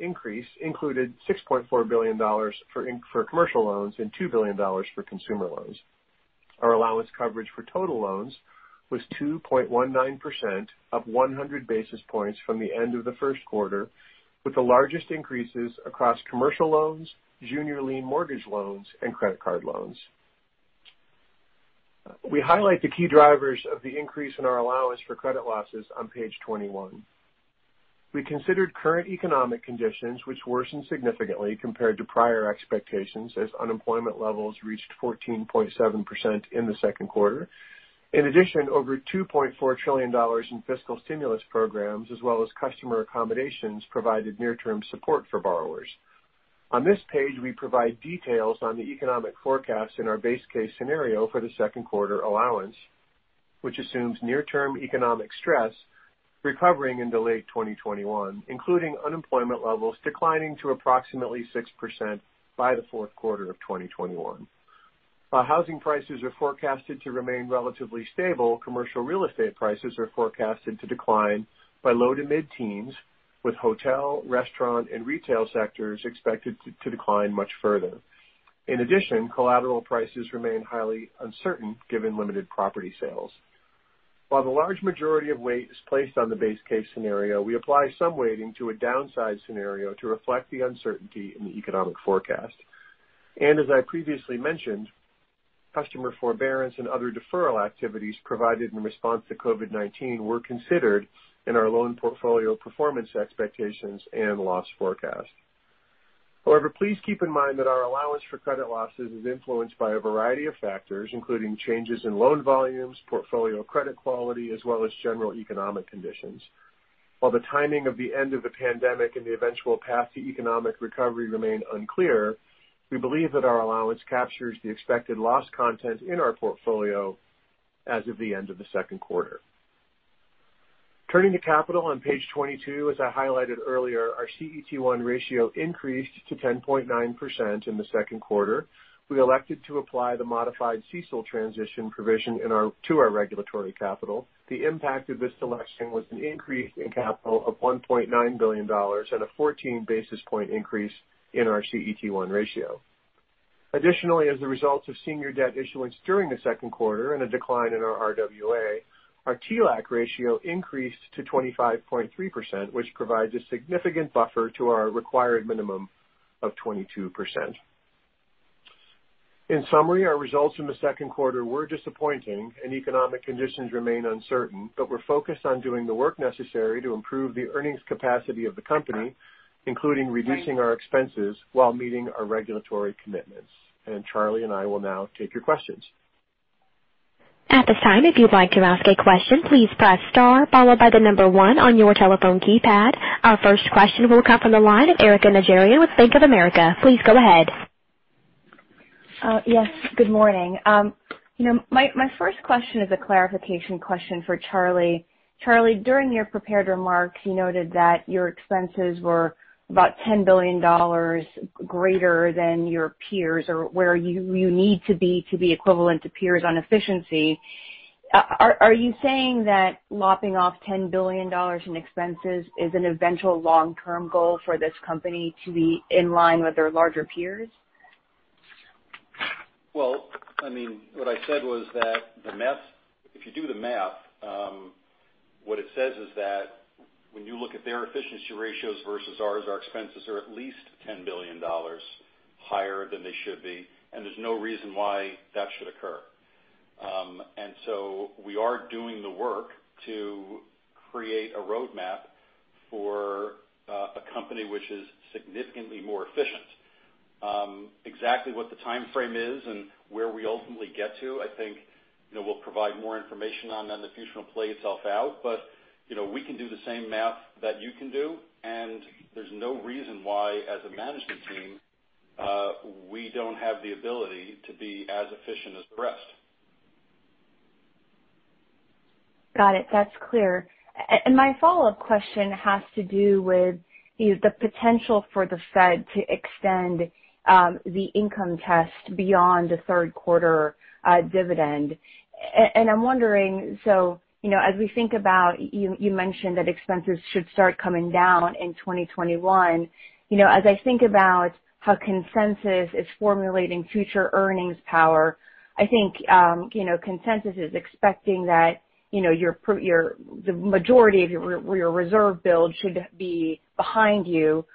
increase included $6.4 billion for commercial loans and $2 billion for consumer loans. Our allowance coverage for total loans was 2.19% up 100 basis points from the end of the first quarter, with the largest increases across commercial loans, junior lien mortgage loans, and credit card loans. We highlight the key drivers of the increase in our allowance for credit losses on page 21. We considered current economic conditions which worsened significantly compared to prior expectations as unemployment levels reached 14.7% in the second quarter. Over $2.4 trillion in fiscal stimulus programs as well as customer accommodations provided near-term support for borrowers. On this page, we provide details on the economic forecast in our base case scenario for the second quarter allowance, which assumes near-term economic stress recovering into late 2021. Including unemployment levels declining to approximately 6% by the fourth quarter of 2021. While housing prices are forecasted to remain relatively stable, commercial real estate prices are forecasted to decline by low to mid-teens, with hotel, restaurant, and retail sectors expected to decline much further. Collateral prices remain highly uncertain given limited property sales. While the large majority of weight is placed on the base case scenario, we apply some weighting to a downside scenario to reflect the uncertainty in the economic forecast. As I previously mentioned, customer forbearance and other deferral activities provided in response to COVID-19 were considered in our loan portfolio performance expectations and loss forecast. However, please keep in mind that our allowance for credit losses is influenced by a variety of factors, including changes in loan volumes, portfolio credit quality, as well as general economic conditions. While the timing of the end of the pandemic and the eventual path to economic recovery remain unclear, we believe that our allowance captures the expected loss content in our portfolio as of the end of the second quarter. Turning to capital on page 22. As I highlighted earlier, our CET1 ratio increased to 10.9% in the second quarter. We elected to apply the modified CECL transition provision to our regulatory capital. The impact of this selection was an increase in capital of $1.9 billion and a 14-basis point increase in our CET1 ratio. Additionally, as a result of senior debt issuance during the second quarter and a decline in our RWA, our TLAC ratio increased to 25.3%, which provides a significant buffer to our required minimum of 22%. In summary, our results in the second quarter were disappointing and economic conditions remain uncertain, but we're focused on doing the work necessary to improve the earnings capacity of the company, including reducing our expenses while meeting our regulatory commitments. Charlie and I will now take your questions. At this time, if you'd like to ask a question, please press star followed by the number one on your telephone keypad. Our first question will come from the line of Erika Najarian with Bank of America. Please go ahead. Yes, good morning. My first question is a clarification question for Charlie. Charlie, during your prepared remarks, you noted that your expenses were about $10 billion greater than your peers or where you need to be to be equivalent to peers on efficiency. Are you saying that lopping off $10 billion in expenses is an eventual long-term goal for this company to be in line with their larger peers? Well, what I said was that if you do the math, what it says is that when you look at their efficiency ratios versus ours, our expenses are at least $10 billion higher than they should be, and there's no reason why that should occur. We are doing the work to create a roadmap for a company which is significantly more efficient. Exactly what the timeframe is and where we ultimately get to, I think, we'll provide more information on that and the future will play itself out. We can do the same math that you can do, and there's no reason why, as a management team, we don't have the ability to be as efficient as the rest. Got it. That's clear. My follow-up question has to do with the potential for the Fed to extend the income test beyond the third quarter dividend. I'm wondering, as we think about, you mentioned that expenses should start coming down in 2021. As I think about how consensus is formulating future earnings power, I think consensus is expecting that the majority of your reserve build should be behind you.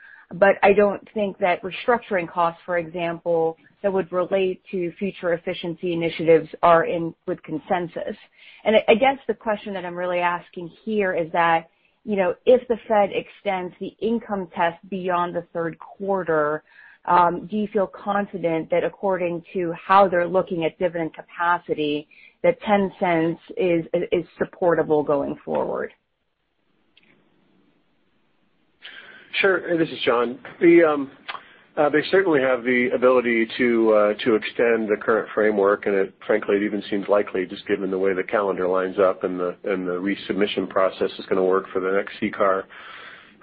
I don't think that restructuring costs, for example, that would relate to future efficiency initiatives are in with consensus. I guess the question that I'm really asking here is that, if the Fed extends the income test beyond the third quarter, do you feel confident that according to how they're looking at dividend capacity, that $0.10 is supportable going forward? Sure. This is John. They certainly have the ability to extend the current framework, frankly, it even seems likely just given the way the calendar lines up and the resubmission process is going to work for the next CCAR.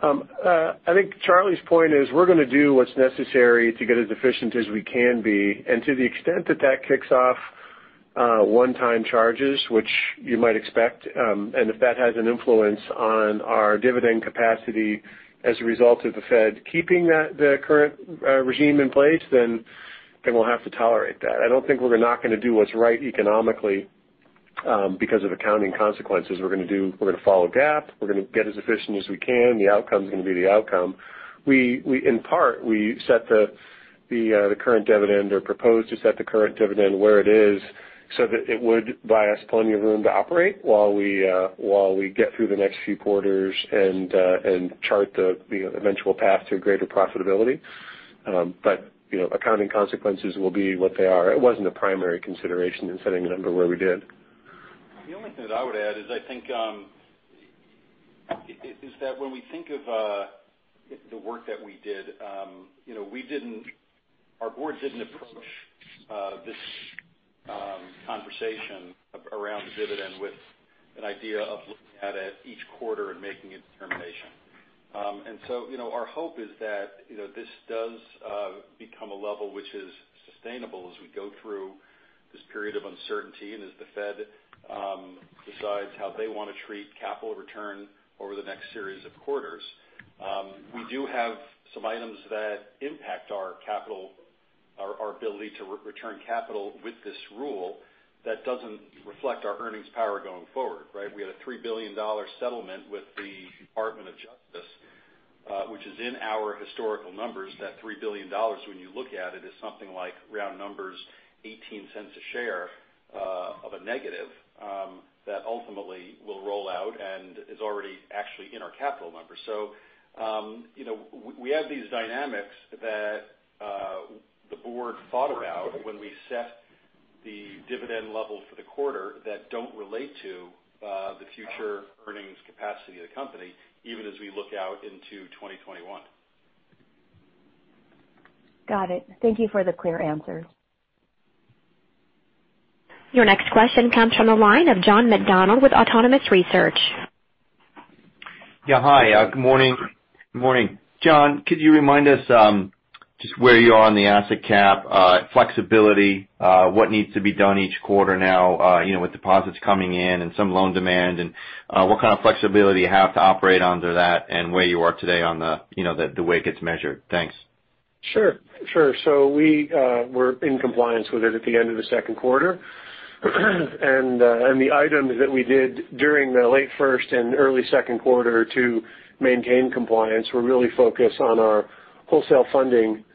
I think Charlie's point is we're going to do what's necessary to get as efficient as we can be. To the extent that that kicks off one-time charges, which you might expect, and if that has an influence on our dividend capacity as a result of the Fed keeping the current regime in place, then we'll have to tolerate that. I don't think we're not going to do what's right economically because of accounting consequences. We're going to follow GAAP. We're going to get as efficient as we can. The outcome is going to be the outcome. In part, we set the current dividend or proposed to set the current dividend where it is so that it would buy us plenty of room to operate while we get through the next few quarters and chart the eventual path to greater profitability. Accounting consequences will be what they are. It wasn't a primary consideration in setting the number where we did. The only thing that I would add is I think is that when we think of the work that we did, our board didn't approach this conversation around the dividend with an idea of looking at it each quarter and making a determination. Our hope is that this does become a level which is sustainable as we go through this period of uncertainty and as the Fed decides how they want to treat capital return over the next series of quarters. We do have some items that impact our ability to return capital with this rule that doesn't reflect our earnings power going forward, right? We had a $3 billion settlement with the Department of Justice, which is in our historical numbers. That $3 billion, when you look at it, is something like round numbers, $0.18 a share of a negative that ultimately will roll out and is already actually in our capital numbers. We have these dynamics that the board thought about when we set the dividend level for the quarter that don't relate to the future earnings capacity of the company, even as we look out into 2021. Got it. Thank you for the clear answers. Your next question comes from the line of John McDonald with Autonomous Research. Yeah. Hi, good morning. John, could you remind us just where you are on the asset cap flexibility, what needs to be done each quarter now with deposits coming in and some loan demand? What kind of flexibility you have to operate under that and where you are today on the way it gets measured? Thanks. Sure. We were in compliance with it at the end of the second quarter. The items that we did during the late first and early second quarter to maintain compliance were really focused on our wholesale funding footprint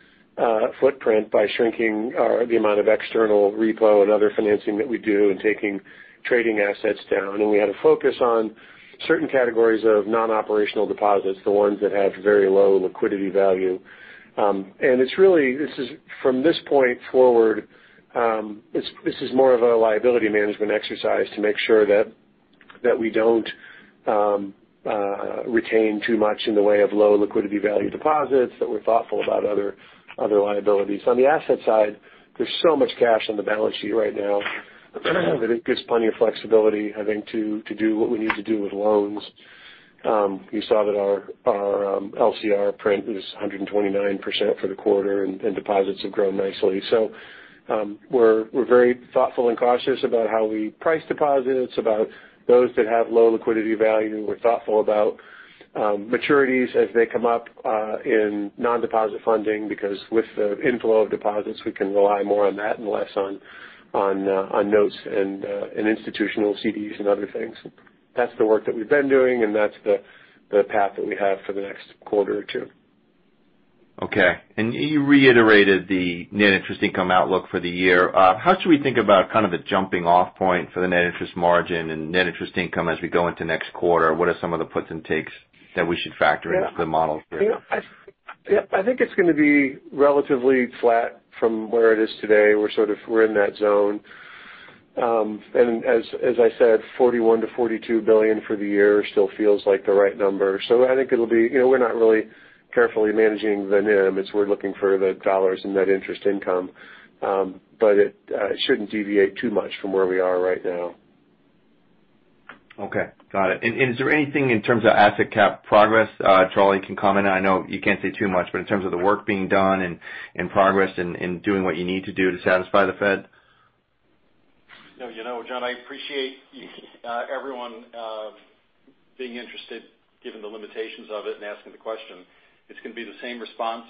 by shrinking the amount of external repo and other financing that we do and taking trading assets down. We had a focus on certain categories of non-operational deposits, the ones that have very low liquidity value. From this point forward, this is more of a liability management exercise to make sure that we don't retain too much in the way of low liquidity value deposits, that we're thoughtful about other liabilities. On the asset side, there's so much cash on the balance sheet right now that it gives plenty of flexibility, I think, to do what we need to do with loans. You saw that our LCR print was 129% for the quarter. Deposits have grown nicely. We're very thoughtful and cautious about how we price deposits, about those that have low liquidity value. We're thoughtful about maturities as they come up in non-deposit funding, because with the inflow of deposits, we can rely more on that and less on notes and institutional CDs and other things. That's the work that we've been doing. That's the path that we have for the next quarter or two. Okay. You reiterated the net interest income outlook for the year. How should we think about kind of a jumping off point for the net interest margin and net interest income as we go into next quarter? What are some of the puts and takes that we should factor into the models there? Yeah. I think it's going to be relatively flat from where it is today. We're in that zone. As I said, $41 billion-$42 billion for the year still feels like the right number. I think we're not really carefully managing the NIM. We're looking for the dollars in net interest income. It shouldn't deviate too much from where we are right now. Okay, got it. Is there anything in terms of asset cap progress Charlie can comment on? I know you can't say too much, in terms of the work being done and progress in doing what you need to do to satisfy the Fed. No. John, I appreciate everyone being interested given the limitations of it and asking the question. It's going to be the same response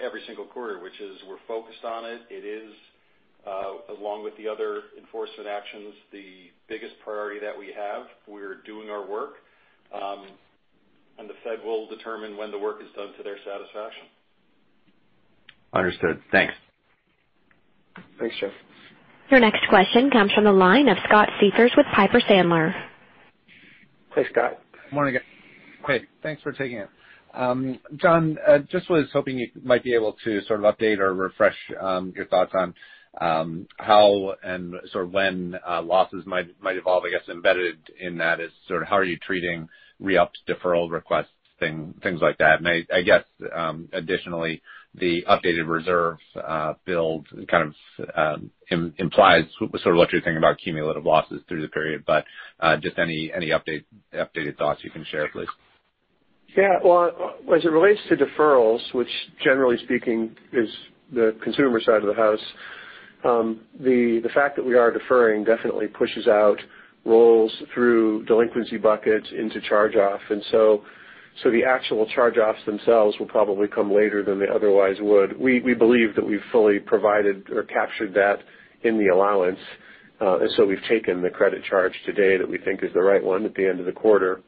every single quarter, which is we're focused on it. It is, along with the other enforcement actions, the biggest priority that we have. We're doing our work. The Fed will determine when the work is done to their satisfaction. Understood. Thanks. Thanks, Jeff. Your next question comes from the line of Scott Siefers with Piper Sandler. Hey, Scott. Morning. Great. Thanks for taking it. John, just was hoping you might be able to sort of update or refresh your thoughts on how and when losses might evolve. I guess embedded in that is how are you treating re-ups, deferral requests, things like that. I guess additionally, the updated reserves build kind of implies what you're thinking about cumulative losses through the period. Just any updated thoughts you can share, please. Yeah. Well, as it relates to deferrals, which generally speaking is the consumer side of the house, the fact that we are deferring definitely pushes out rolls through delinquency buckets into charge-off. The actual charge-offs themselves will probably come later than they otherwise would. We believe that we've fully provided or captured that in the allowance. We've taken the credit charge today that we think is the right one at the end of the quarter,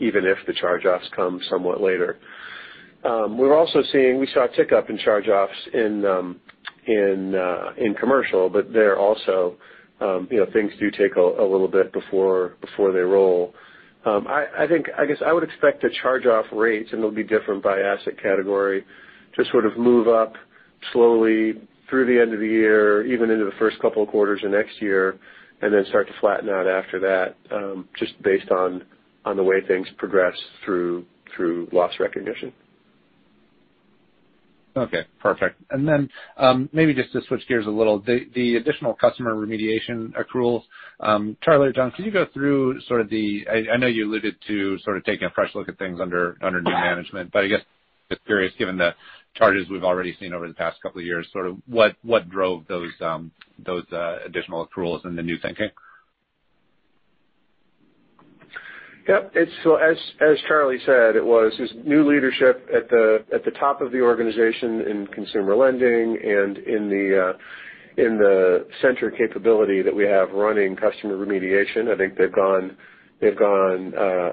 even if the charge-offs come somewhat later. We also saw a tick-up in charge-offs in commercial, but there also things do take a little bit before they roll. I guess I would expect the charge-off rates, and it'll be different by asset category, to sort of move up slowly through the end of the year, even into the first couple of quarters of next year, and then start to flatten out after that, just based on the way things progress through loss recognition. Okay, perfect. Maybe just to switch gears a little, the additional customer remediation accruals. Charlie or John, can you go through, I know you alluded to sort of taking a fresh look at things under new management, I guess just curious, given the charges we've already seen over the past couple of years, what drove those additional accruals and the new thinking? Yep. As Charlie said, it was just new leadership at the top of the organization in Consumer Lending and in the center capability that we have running customer remediation. I think they've gone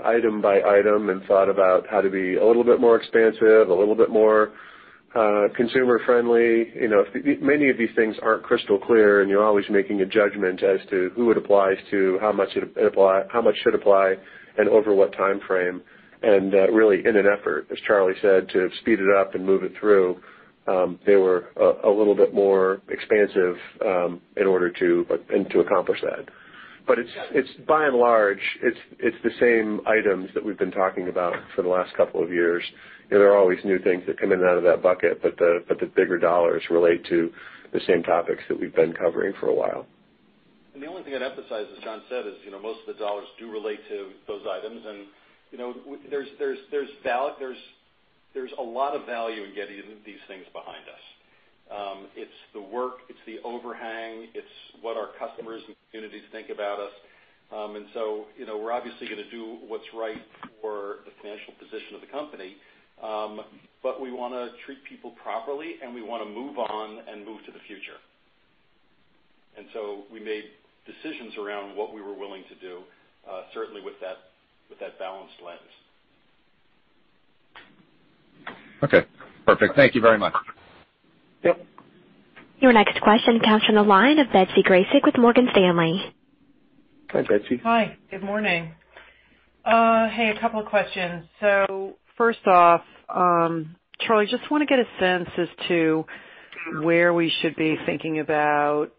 item by item and thought about how to be a little bit more expansive, a little bit more consumer friendly. Many of these things aren't crystal clear, and you're always making a judgment as to who it applies to, how much it apply, how much should apply, and over what time frame. Really in an effort, as Charlie said, to speed it up and move it through. They were a little bit more expansive in order to accomplish that. By and large, it's the same items that we've been talking about for the last couple of years. There are always new things that come in and out of that bucket, but the bigger dollars relate to the same topics that we've been covering for a while. The only thing I'd emphasize, as John said, is most of the dollars do relate to those items. There's a lot of value in getting these things behind us. It's the work, it's the overhang, it's what our customers and communities think about us. We're obviously going to do what's right for the financial position of the company. We want to treat people properly, and we want to move on and move to the future. We made decisions around what we were willing to do, certainly with that balanced lens. Okay, perfect. Thank you very much. Yep. Your next question comes from the line of Betsy Graseck with Morgan Stanley. Hi, Betsy. Hi. Good morning. Hey, a couple of questions. First off, Charlie, just want to get a sense as to where we should be thinking about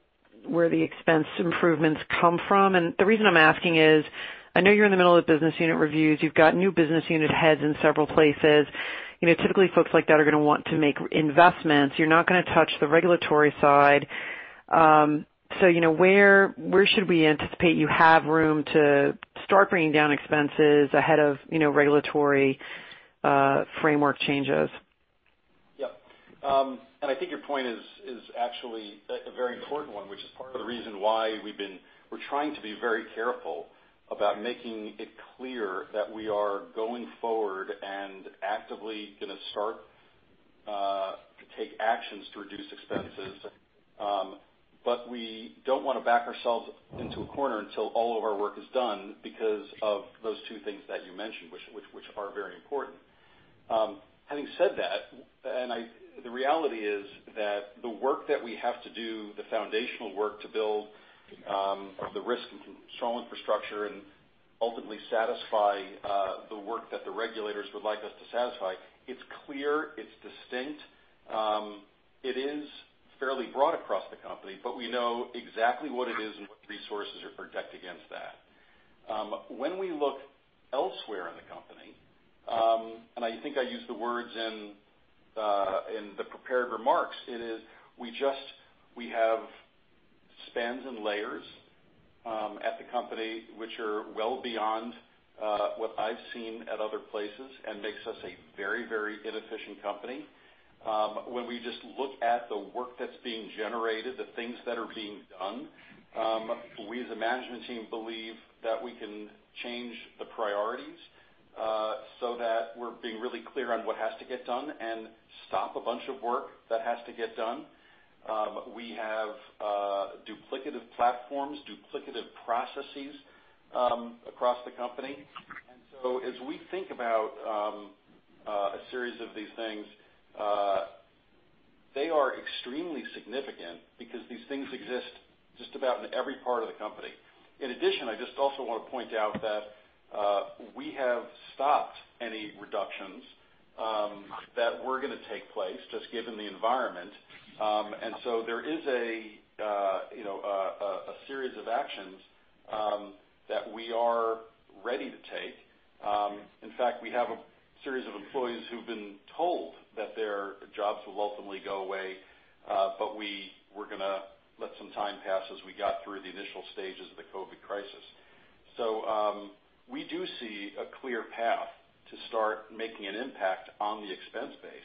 where the expense improvements come from. The reason I'm asking is, I know you're in the middle of business unit reviews. You've got new business unit heads in several places. Typically, folks like that are going to want to make investments. You're not going to touch the regulatory side. Where should we anticipate you have room to start bringing down expenses ahead of regulatory framework changes? Yep. I think your point is actually a very important one, which is part of the reason why we're trying to be very careful about making it clear that we are going forward and actively going to start to take actions to reduce expenses. We don't want to back ourselves into a corner until all of our work is done because of those two things that you mentioned, which are very important. Having said that, the reality is that the work that we have to do, the foundational work to build the risk and strong infrastructure and ultimately satisfy the work that the regulators would like us to satisfy, it's clear, it's distinct. It is fairly broad across the company, but we know exactly what it is and what resources are protected against that. When we look elsewhere in the company, and I think I used the words in the prepared remarks, it is we have spans and layers at the company which are well beyond what I've seen at other places and makes us a very inefficient company. When we just look at the work that's being generated, the things that are being done, we as a management team believe that we can change the priorities so that we're being really clear on what has to get done and stop a bunch of work that has to get done. We have duplicative platforms, duplicative processes across the company. As we think about a series of these things, they are extremely significant because these things exist just about in every part of the company. In addition, I just also want to point out that we have stopped any reductions that were going to take place just given the environment. There is a series of actions that we are ready to take. In fact, we have a series of employees who've been told that their jobs will ultimately go away. We were going to let some time pass as we got through the initial stages of the COVID crisis. We do see a clear path to start making an impact on the expense base.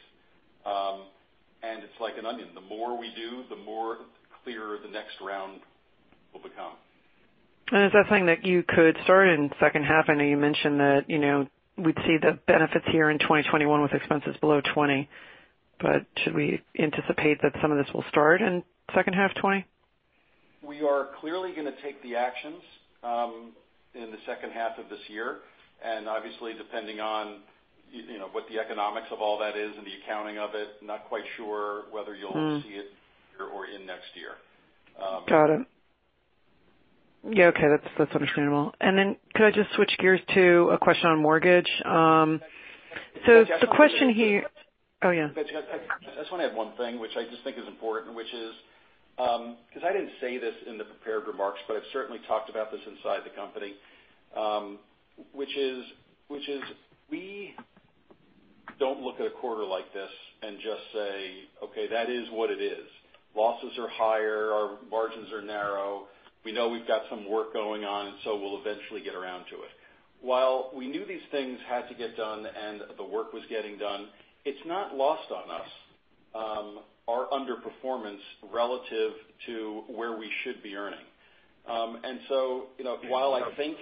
It's like an onion. The more we do, the more clear the next round will become. Is that something that you could start in the second half? I know you mentioned that we'd see the benefits here in 2021 with expenses below $20, should we anticipate that some of this will start in second half 2020? We are clearly going to take the actions in the second half of this year, and obviously, depending on what the economics of all that is and the accounting of it, not quite sure whether you'll see it or in next year. Got it. Yeah, okay, that's understandable. Could I just switch gears to a question on mortgage? The question here. Betsy, I just want to add one thing which I just think is important, because I didn't say this in the prepared remarks, but I've certainly talked about this inside the company, which is we don't look at a quarter like this and just say, "Okay, that is what it is." Losses are higher, our margins are narrow. We know we've got some work going on, and so we'll eventually get around to it. While we knew these things had to get done and the work was getting done, it's not lost on us our underperformance relative to where we should be earning. So, while I think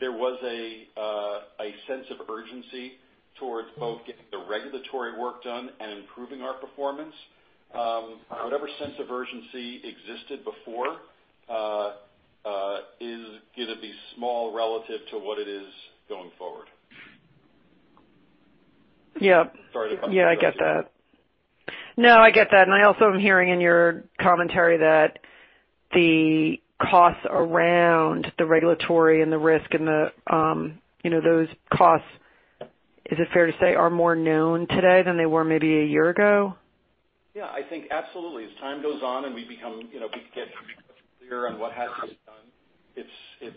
there was a sense of urgency towards both getting the regulatory work done and improving our performance, whatever sense of urgency existed before is going to be small relative to what it is going forward. Yep. Sorry about that. Yeah, I get that. No, I get that. I also am hearing in your commentary that the costs around the regulatory and the risk, those costs, is it fair to say, are more known today than they were maybe a year ago? I think absolutely. As time goes on and we get clearer on what has to get done,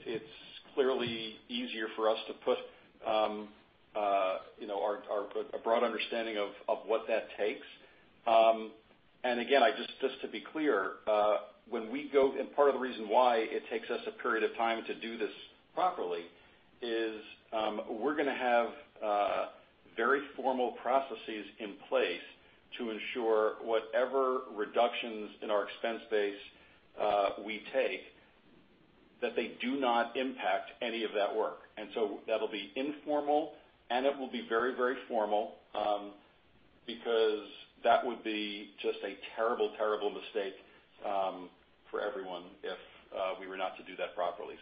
it's clearly easier for us to put a broad understanding of what that takes. Again, just to be clear, and part of the reason why it takes us a period of time to do this properly is we're going to have very formal processes in place to ensure whatever reductions in our expense base we take, that they do not impact any of that work. That'll be informal and it will be very, very formal, because that would be just a terrible mistake for everyone if we were not to do that properly.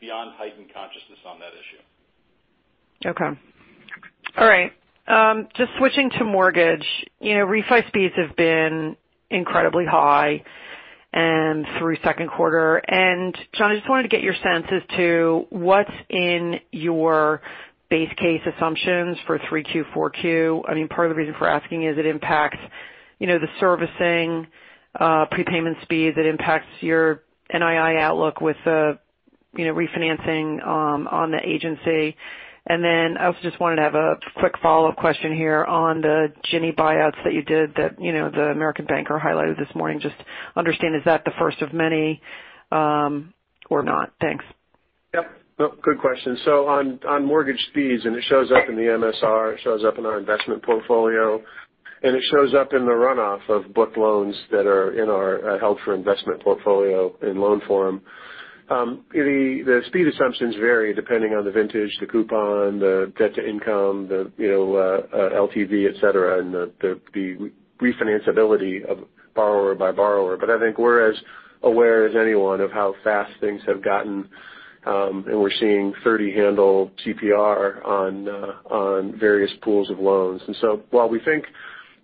Beyond heightened consciousness on that issue. Okay. All right. Just switching to mortgage. Refi speeds have been incredibly high and through second quarter. John, I just wanted to get your sense as to what's in your base case assumptions for 3Q, 4Q. Part of the reason for asking is it impacts the servicing, prepayment speeds. It impacts your NII outlook with the refinancing on the agency. I also just wanted to have a quick follow-up question here on the Ginnie buyouts that you did that the American Banker highlighted this morning. Just understand, is that the first of many or not? Thanks. Yep. No, good question. On mortgage speeds, it shows up in the MSR, it shows up in our investment portfolio, and it shows up in the runoff of booked loans that are in our held for investment portfolio in loan form. The speed assumptions vary depending on the vintage, the coupon, the debt to income, the LTV, et cetera, and the refinance ability of borrower by borrower. I think we're as aware as anyone of how fast things have gotten, we're seeing 30 handle CPR on various pools of loans. While we think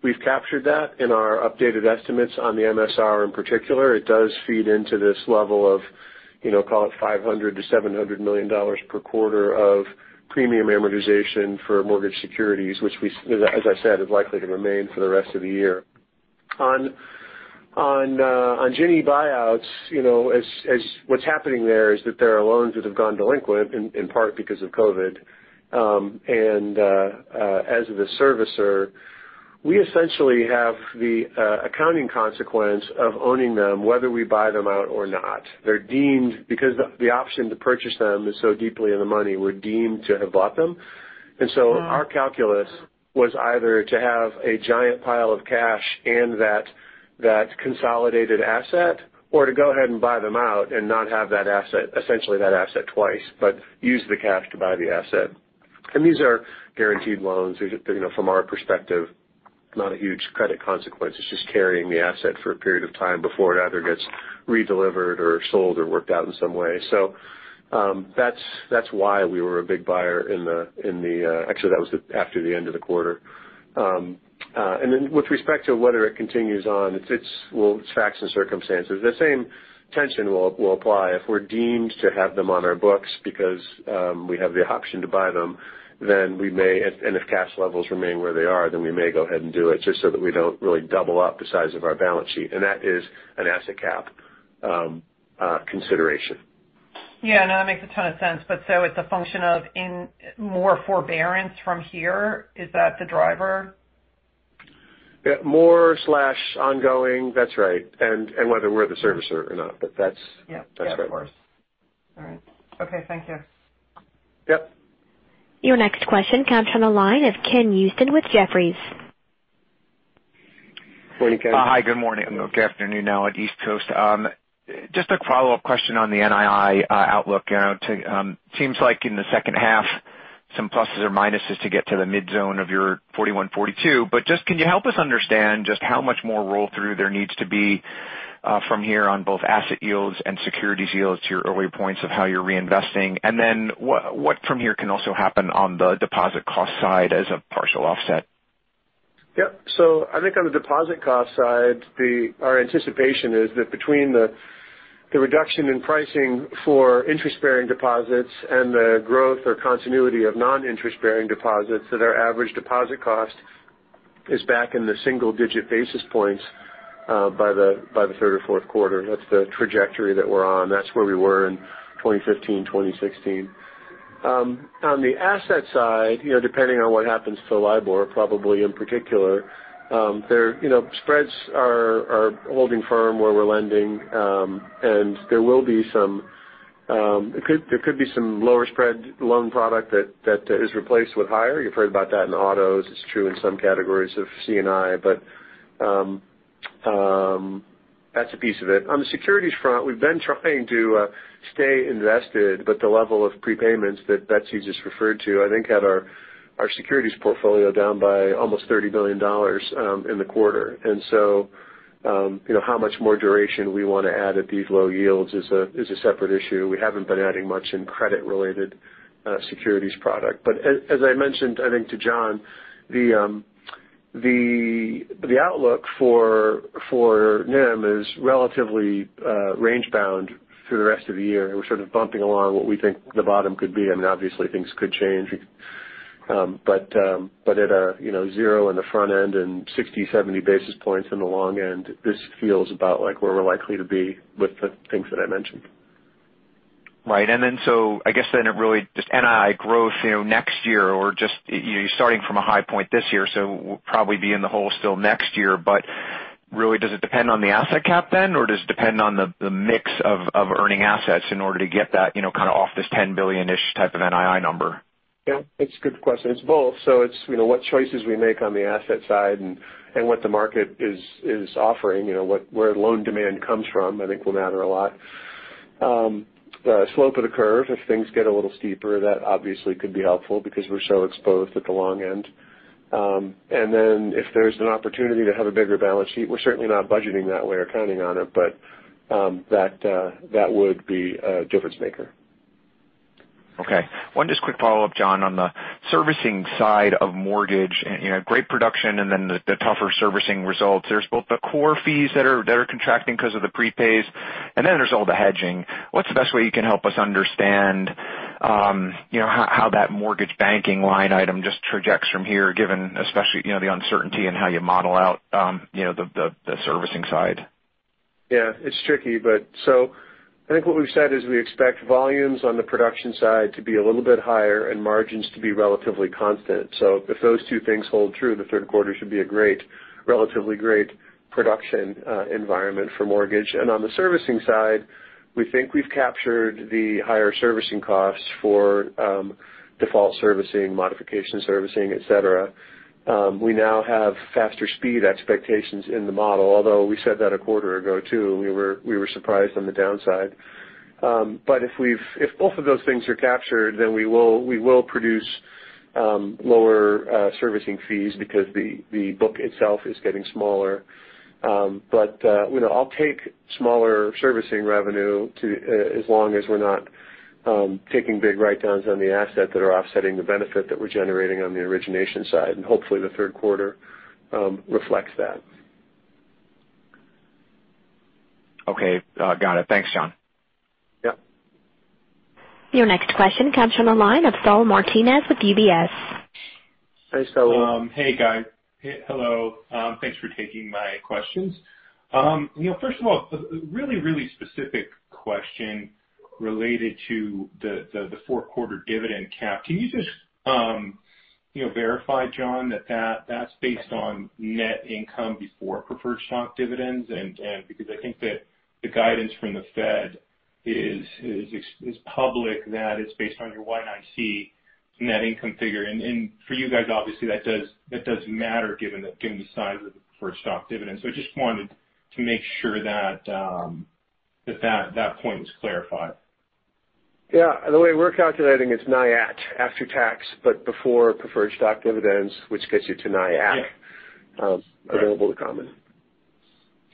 we've captured that in our updated estimates on the MSR in particular, it does feed into this level of call it $500 million-$700 million per quarter of premium amortization for mortgage securities, which we, as I said, is likely to remain for the rest of the year. On Ginnie buyouts, what's happening there is that there are loans that have gone delinquent in part because of COVID. As the servicer, we essentially have the accounting consequence of owning them, whether we buy them out or not. Because the option to purchase them is so deeply in the money, we're deemed to have bought them. Our calculus was either to have a giant pile of cash and that consolidated asset or to go ahead and buy them out and not have that asset, essentially that asset twice, but use the cash to buy the asset. These are guaranteed loans. From our perspective, not a huge credit consequence. It's just carrying the asset for a period of time before it either gets redelivered or sold or worked out in some way. That's why we were a big buyer. Actually, that was after the end of the quarter. With respect to whether it continues on, it's facts and circumstances. The same tension will apply if we're deemed to have them on our books because we have the option to buy them, and if cash levels remain where they are, then we may go ahead and do it just so that we don't really double up the size of our balance sheet. That is an asset cap consideration. Yeah, no, that makes a ton of sense. It's a function of in more forbearance from here? Is that the driver? Yeah. More or ongoing. That's right. Whether we're the servicer or not. Yeah. That's right. All right. Okay. Thank you. Yep. Your next question comes from the line of Ken Usdin with Jefferies. Morning, Ken. Hi, good morning. Good afternoon now at East Coast. Just a follow-up question on the NII outlook. It seems like in the second half, some pluses or minuses to get to the midzone of your 41, 42. Just can you help us understand just how much more roll-through there needs to be from here on both asset yields and securities yields to your earlier points of how you're reinvesting? What from here can also happen on the deposit cost side as a partial offset? I think on the deposit cost side, our anticipation is that between the reduction in pricing for interest-bearing deposits and the growth or continuity of non-interest-bearing deposits, that our average deposit cost is back in the single-digit basis points by the third or fourth quarter. That's the trajectory that we're on. That's where we were in 2015, 2016. On the asset side, depending on what happens to LIBOR, probably in particular, spreads are holding firm where we're lending. There could be some lower spread loan product that is replaced with higher. You've heard about that in autos. It's true in some categories of C&I. That's a piece of it. On the securities front, we've been trying to stay invested, but the level of prepayments that Betsy just referred to, I think had our securities portfolio down by almost $30 billion in the quarter. How much more duration we want to add at these low yields is a separate issue. We haven't been adding much in credit-related securities product. As I mentioned to John, the outlook for NIM is relatively range bound through the rest of the year. We're sort of bumping along what we think the bottom could be. Obviously, things could change. At a zero in the front end and 60, 70 basis points in the long end, this feels about like where we're likely to be with the things that I mentioned. Right. I guess then it really just NII growth next year or just starting from a high point this year, so we'll probably be in the hole still next year. Really, does it depend on the asset cap then, or does it depend on the mix of earning assets in order to get that kind of off this $10 billion-ish type of NII number? Yeah, it's a good question. It's both. It's what choices we make on the asset side and what the market is offering. Where loan demand comes from, I think will matter a lot. The slope of the curve, if things get a little steeper, that obviously could be helpful because we're so exposed at the long end. If there's an opportunity to have a bigger balance sheet, we're certainly not budgeting that way or counting on it. That would be a difference maker. Okay. One just quick follow-up, John, on the servicing side of mortgage. Great production and then the tougher servicing results. There is both the core fees that are contracting because of the prepays, and then there is all the hedging. What is the best way you can help us understand how that mortgage banking line item just trajects from here, given especially, the uncertainty in how you model out the servicing side? Yeah, it's tricky. I think what we've said is we expect volumes on the production side to be a little bit higher and margins to be relatively constant. So if those two things hold true, the third quarter should be a relatively great production environment for mortgage. On the servicing side, we think we've captured the higher servicing costs for default servicing, modification servicing, et cetera. We now have faster speed expectations in the model, although we said that a quarter ago, too. We were surprised on the downside. If both of those things are captured, then we will produce lower servicing fees because the book itself is getting smaller. I'll take smaller servicing revenue as long as we're not taking big write-downs on the asset that are offsetting the benefit that we're generating on the origination side. Hopefully, the third quarter reflects that. Okay. Got it. Thanks, John. Yeah. Your next question comes from the line of Saul Martinez with UBS. Hey, Saul. Hey, guys. Hello. Thanks for taking my questions. First of all, really specific question related to the fourth quarter dividend cap. Can you just verify, John, that that's based on net income before preferred stock dividends? Because I think that the guidance from the Fed is public, that it's based on your Y9C net income figure. For you guys, obviously that does matter given the size of the preferred stock dividend. I just wanted to make sure that point was clarified. Yeah. The way we're calculating is NIAT, after tax, but before preferred stock dividends, which gets you to NIAC. Yeah available to common.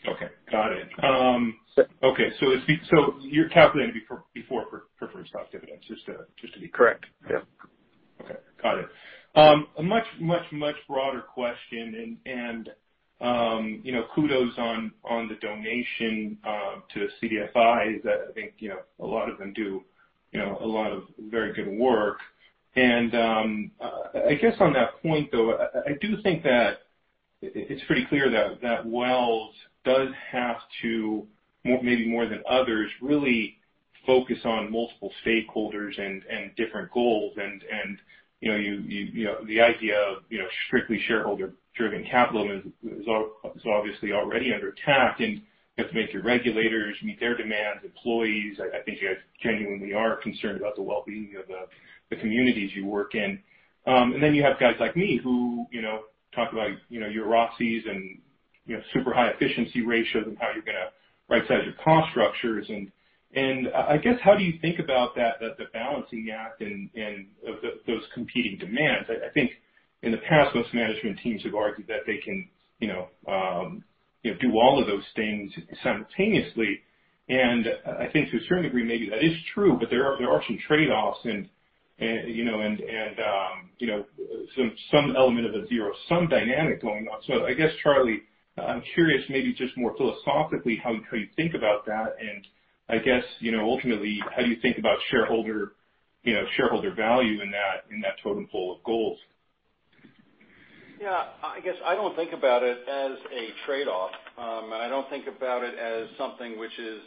Okay. Got it. Yeah. Okay, you're calculating before preferred stock dividends, just to be correct. Yeah. Okay. Got it. A much broader question. Kudos on the donation to the CDFIs. I think a lot of them do a lot of very good work. I guess on that point, though, I do think that it's pretty clear that Wells does have to, maybe more than others, really focus on multiple stakeholders and different goals. The idea of strictly shareholder-driven capital is obviously already under attack, and you have to make your regulators meet their demands, employees. I think you guys genuinely are concerned about the well-being of the communities you work in. Then you have guys like me who talk about your ROCEs and super high efficiency ratios and how you're going to rightsize your cost structures. I guess how do you think about that, the balancing act and of those competing demands? I think in the past, most management teams have argued that they can do all of those things simultaneously. I think to a certain degree, maybe that is true, but there are some trade-offs and some element of a zero-sum dynamic going on. I guess, Charlie, I'm curious, maybe just more philosophically, how you think about that. I guess ultimately, how do you think about shareholder value in that totem pole of goals? Yeah. I guess I don't think about it as a trade-off. I don't think about it as something which is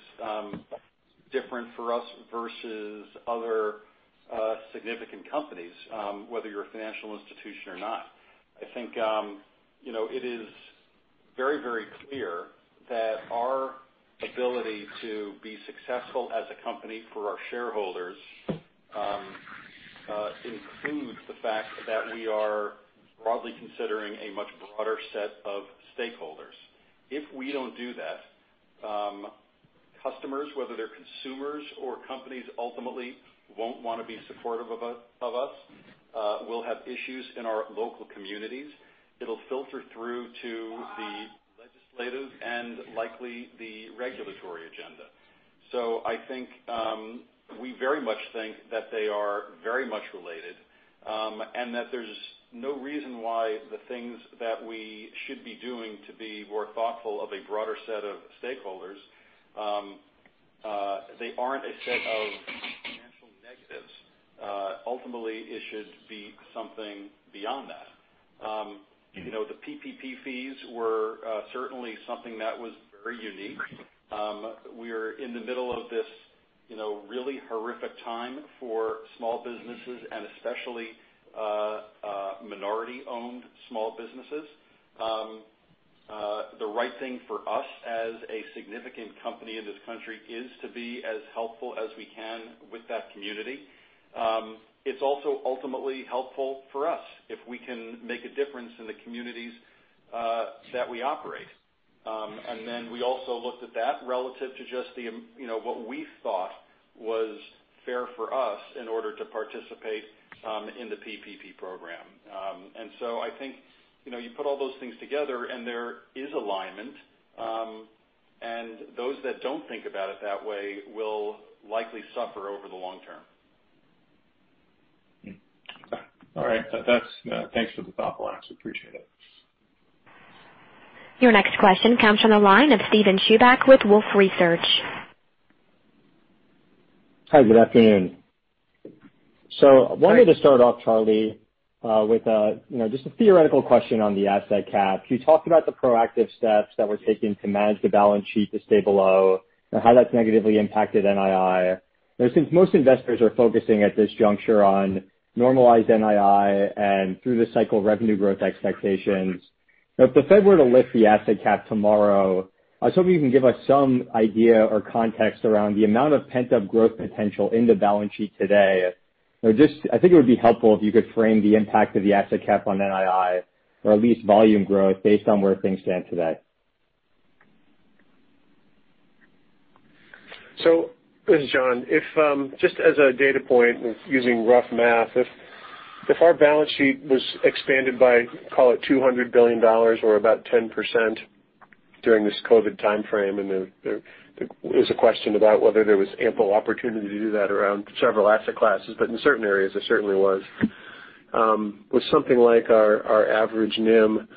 different for us versus other significant companies, whether you're a financial institution or not. I think it is very clear that our ability to be successful as a company for our shareholders includes the fact that we are broadly considering a much broader set of stakeholders. If we don't do that, customers, whether they're consumers or companies, ultimately won't want to be supportive of us. We'll have issues in our local communities. It'll filter through to the legislative and likely the regulatory agenda. I think we very much think that they are very much related. That there's no reason why the things that we should be doing to be more thoughtful of a broader set of stakeholders, they aren't a set of financial negatives. Ultimately it should be something beyond that. The PPP fees were certainly something that was very unique. We're in the middle of this. Really horrific time for small businesses and especially minority-owned small businesses. The right thing for us as a significant company in this country is to be as helpful as we can with that community. It's also ultimately helpful for us if we can make a difference in the communities that we operate. Then we also looked at that relative to just what we thought was fair for us in order to participate in the PPP program. I think, you put all those things together and there is alignment. Those that don't think about it that way will likely suffer over the long term. All right. Thanks for the thought, Alex. Appreciate it. Your next question comes from the line of Steven Chubak with Wolfe Research. Hi, good afternoon. Wanted to start off, Charlie, with just a theoretical question on the asset cap. You talked about the proactive steps that were taken to manage the balance sheet to stay below and how that's negatively impacted NII. Since most investors are focusing at this juncture on normalized NII and through the cycle revenue growth expectations, if the Fed were to lift the asset cap tomorrow, I was hoping you can give us some idea or context around the amount of pent-up growth potential in the balance sheet today. I think it would be helpful if you could frame the impact of the asset cap on NII or at least volume growth based on where things stand today. This is John. Just as a data point using rough math, if our balance sheet was expanded by, call it $200 billion or about 10% during this COVID timeframe, and there is a question about whether there was ample opportunity to do that around several asset classes, but in certain areas, there certainly was. With something like our average NIM,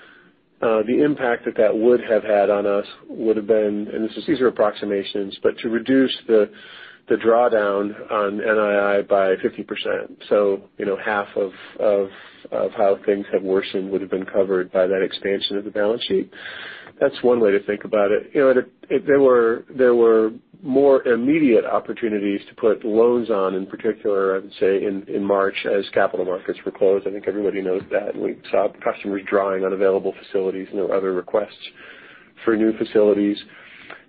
the impact that that would have had on us would've been, and these are approximations, but to reduce the drawdown on NII by 50%. Half of how things have worsened would've been covered by that expansion of the balance sheet. That's one way to think about it. There were more immediate opportunities to put loans on. In particular, I would say in March as capital markets were closed, I think everybody knows that. We saw customers drawing on available facilities, no other requests for new facilities.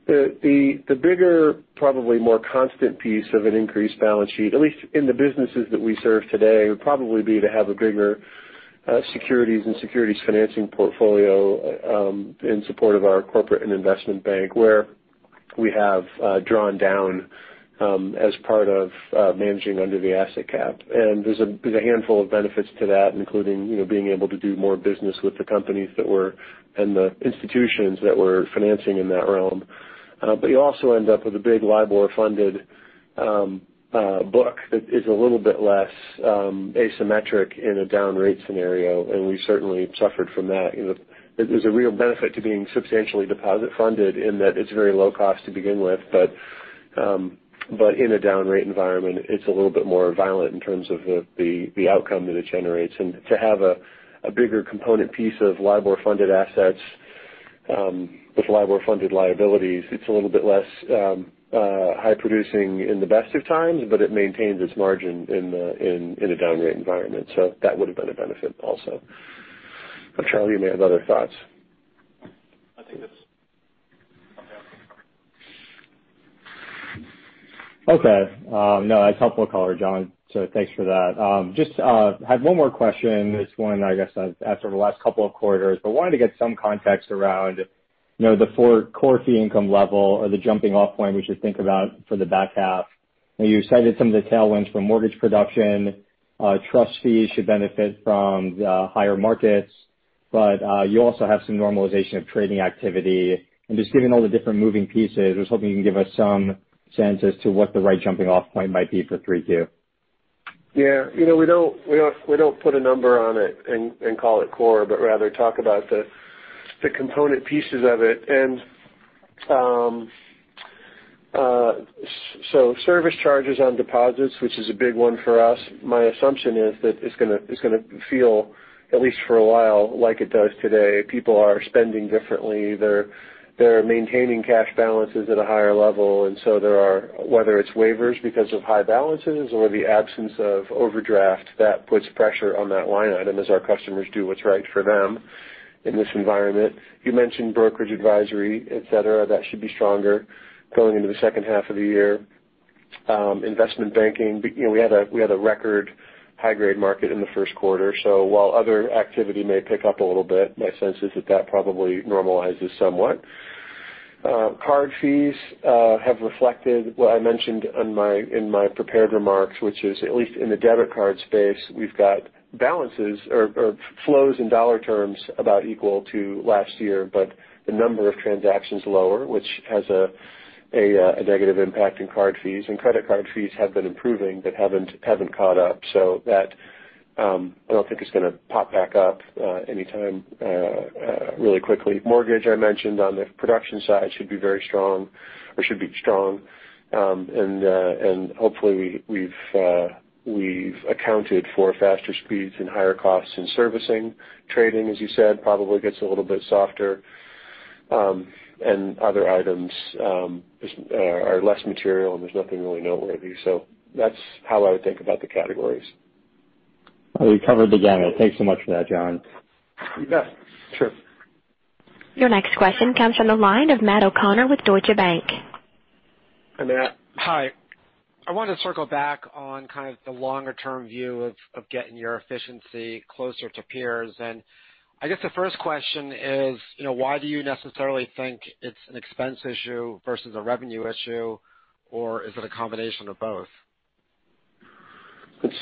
The bigger, probably more constant piece of an increased balance sheet, at least in the businesses that we serve today, would probably be to have a bigger securities and securities financing portfolio in support of our corporate and investment bank where we have drawn down as part of managing under the asset cap. There's a handful of benefits to that, including being able to do more business with the companies that were in the institutions that were financing in that realm. You also end up with a big LIBOR-funded book that is a little bit less asymmetric in a down rate scenario, and we certainly suffered from that. There's a real benefit to being substantially deposit funded in that it's very low cost to begin with. In a down rate environment, it's a little bit more violent in terms of the outcome that it generates. To have a bigger component piece of LIBOR-funded assets with LIBOR-funded liabilities, it's a little bit less high producing in the best of times, but it maintains its margin in a down rate environment. That would've been a benefit also. Charlie, you may have other thoughts. I think that's something. Okay. No, that's helpful color, John. Thanks for that. Just had one more question. This one I guess I've asked over the last couple of quarters. Wanted to get some context around the core fee income level or the jumping off point we should think about for the back half. You cited some of the tailwinds from mortgage production. Trust fees should benefit from the higher markets. You also have some normalization of trading activity. Just given all the different moving pieces, I was hoping you can give us some sense as to what the right jumping off point might be for 3Q. We don't put a number on it and call it core, but rather talk about the component pieces of it. Service charges on deposits, which is a big one for us, my assumption is that it's going to feel at least for a while, like it does today. People are spending differently. They're maintaining cash balances at a higher level, and so there are, whether it's waivers because of high balances or the absence of overdraft, that puts pressure on that line item as our customers do what's right for them in this environment. You mentioned brokerage advisory, et cetera. That should be stronger going into the second half of the year. Investment banking. We had a record high-grade market in the first quarter. While other activity may pick up a little bit, my sense is that that probably normalizes somewhat. Card fees have reflected what I mentioned in my prepared remarks, which is at least in the debit card space, we've got balances or flows in dollar terms about equal to last year, but the number of transactions lower, which has a negative impact in card fees. Credit card fees have been improving but haven't caught up. That I don't think is going to pop back up anytime really quickly. Mortgage, I mentioned on the production side should be very strong or should be strong. Hopefully we've accounted for faster speeds and higher costs in servicing. Trading, as you said, probably gets a little bit softer. Other items are less material and there's nothing really noteworthy. That's how I would think about the categories. Well, you covered the gamut. Thanks so much for that, John. You bet. Sure. Your next question comes from the line of Matt O'Connor with Deutsche Bank. Hi, Matt. Hi. I wanted to circle back on kind of the longer-term view of getting your efficiency closer to peers. I guess the first question is, why do you necessarily think it's an expense issue versus a revenue issue, or is it a combination of both? It's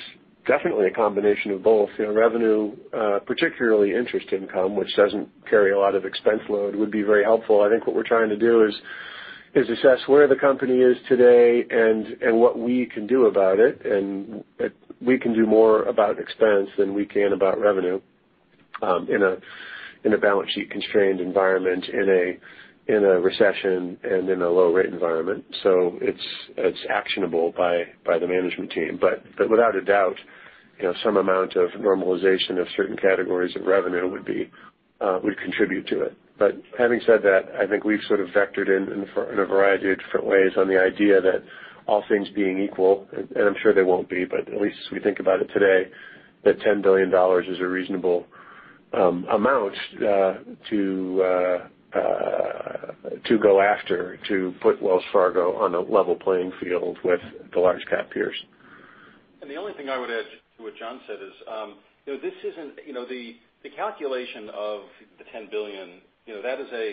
definitely a combination of both. Revenue, particularly interest income, which doesn't carry a lot of expense load, would be very helpful. I think what we're trying to do is assess where the company is today and what we can do about it. We can do more about expense than we can about revenue in a balance sheet constrained environment, in a recession and in a low rate environment. It's actionable by the management team. Without a doubt, some amount of normalization of certain categories of revenue would contribute to it. Having said that, I think we've sort of vectored in a variety of different ways on the idea that all things being equal, and I'm sure they won't be, but at least as we think about it today, that $10 billion is a reasonable amount to go after to put Wells Fargo on a level playing field with the large cap peers. The only thing I would add to what John said is, the calculation of the $10 billion,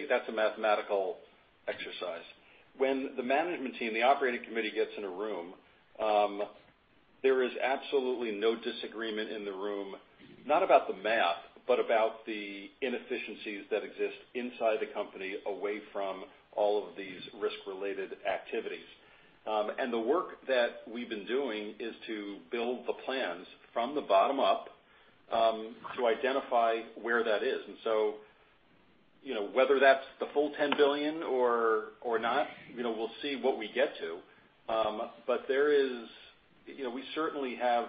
that's a mathematical exercise. When the management team, the operating committee gets in a room, there is absolutely no disagreement in the room, not about the math, but about the inefficiencies that exist inside the company, away from all of these risk-related activities. The work that we've been doing is to build the plans from the bottom up to identify where that is. Whether that's the full $10 billion or not, we'll see what we get to. We certainly have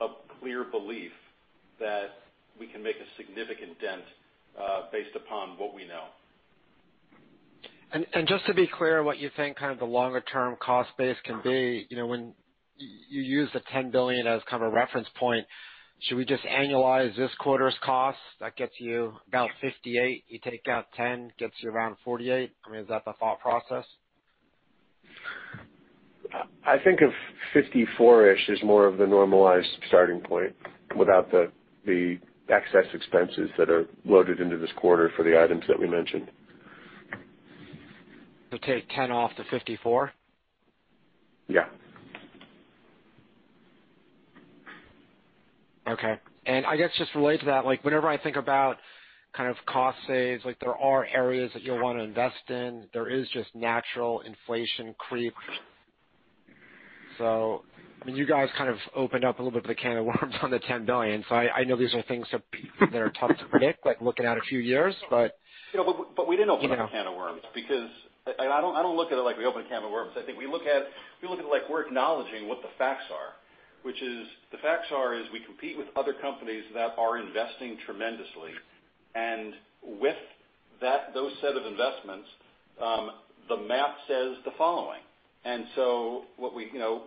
a clear belief that we can make a significant dent based upon what we know. Just to be clear on what you think kind of the longer-term cost base can be, when you use the $10 billion as kind of a reference point, should we just annualize this quarter's cost? That gets you about $58. You take out $10, gets you around $48. I mean, is that the thought process? I think of 54-ish as more of the normalized starting point without the excess expenses that are loaded into this quarter for the items that we mentioned. Take $10 off the $54? Yeah. Okay. I guess just related to that, whenever I think about kind of cost saves, there are areas that you'll want to invest in. There is just natural inflation creep. You guys kind of opened up a little bit of a can of worms on the $10 billion. I know these are things that are tough to predict, like looking out a few years. We didn't open up a can of worms, and I don't look at it like we opened a can of worms. I think we look at it like we're acknowledging what the facts are. The facts are is we compete with other companies that are investing tremendously. With those set of investments, the math says the following.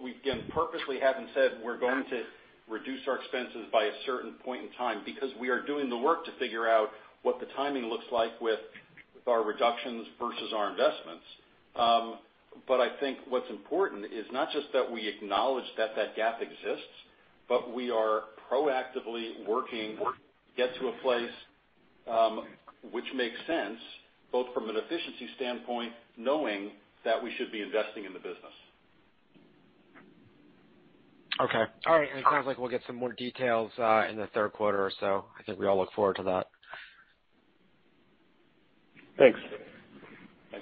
We purposely haven't said we're going to reduce our expenses by a certain point in time because we are doing the work to figure out what the timing looks like with our reductions versus our investments. I think what's important is not just that we acknowledge that that gap exists, but we are proactively working to get to a place which makes sense both from an efficiency standpoint, knowing that we should be investing in the business. Okay. All right. It sounds like we'll get some more details in the third quarter or so. I think we all look forward to that. Thanks. Thanks,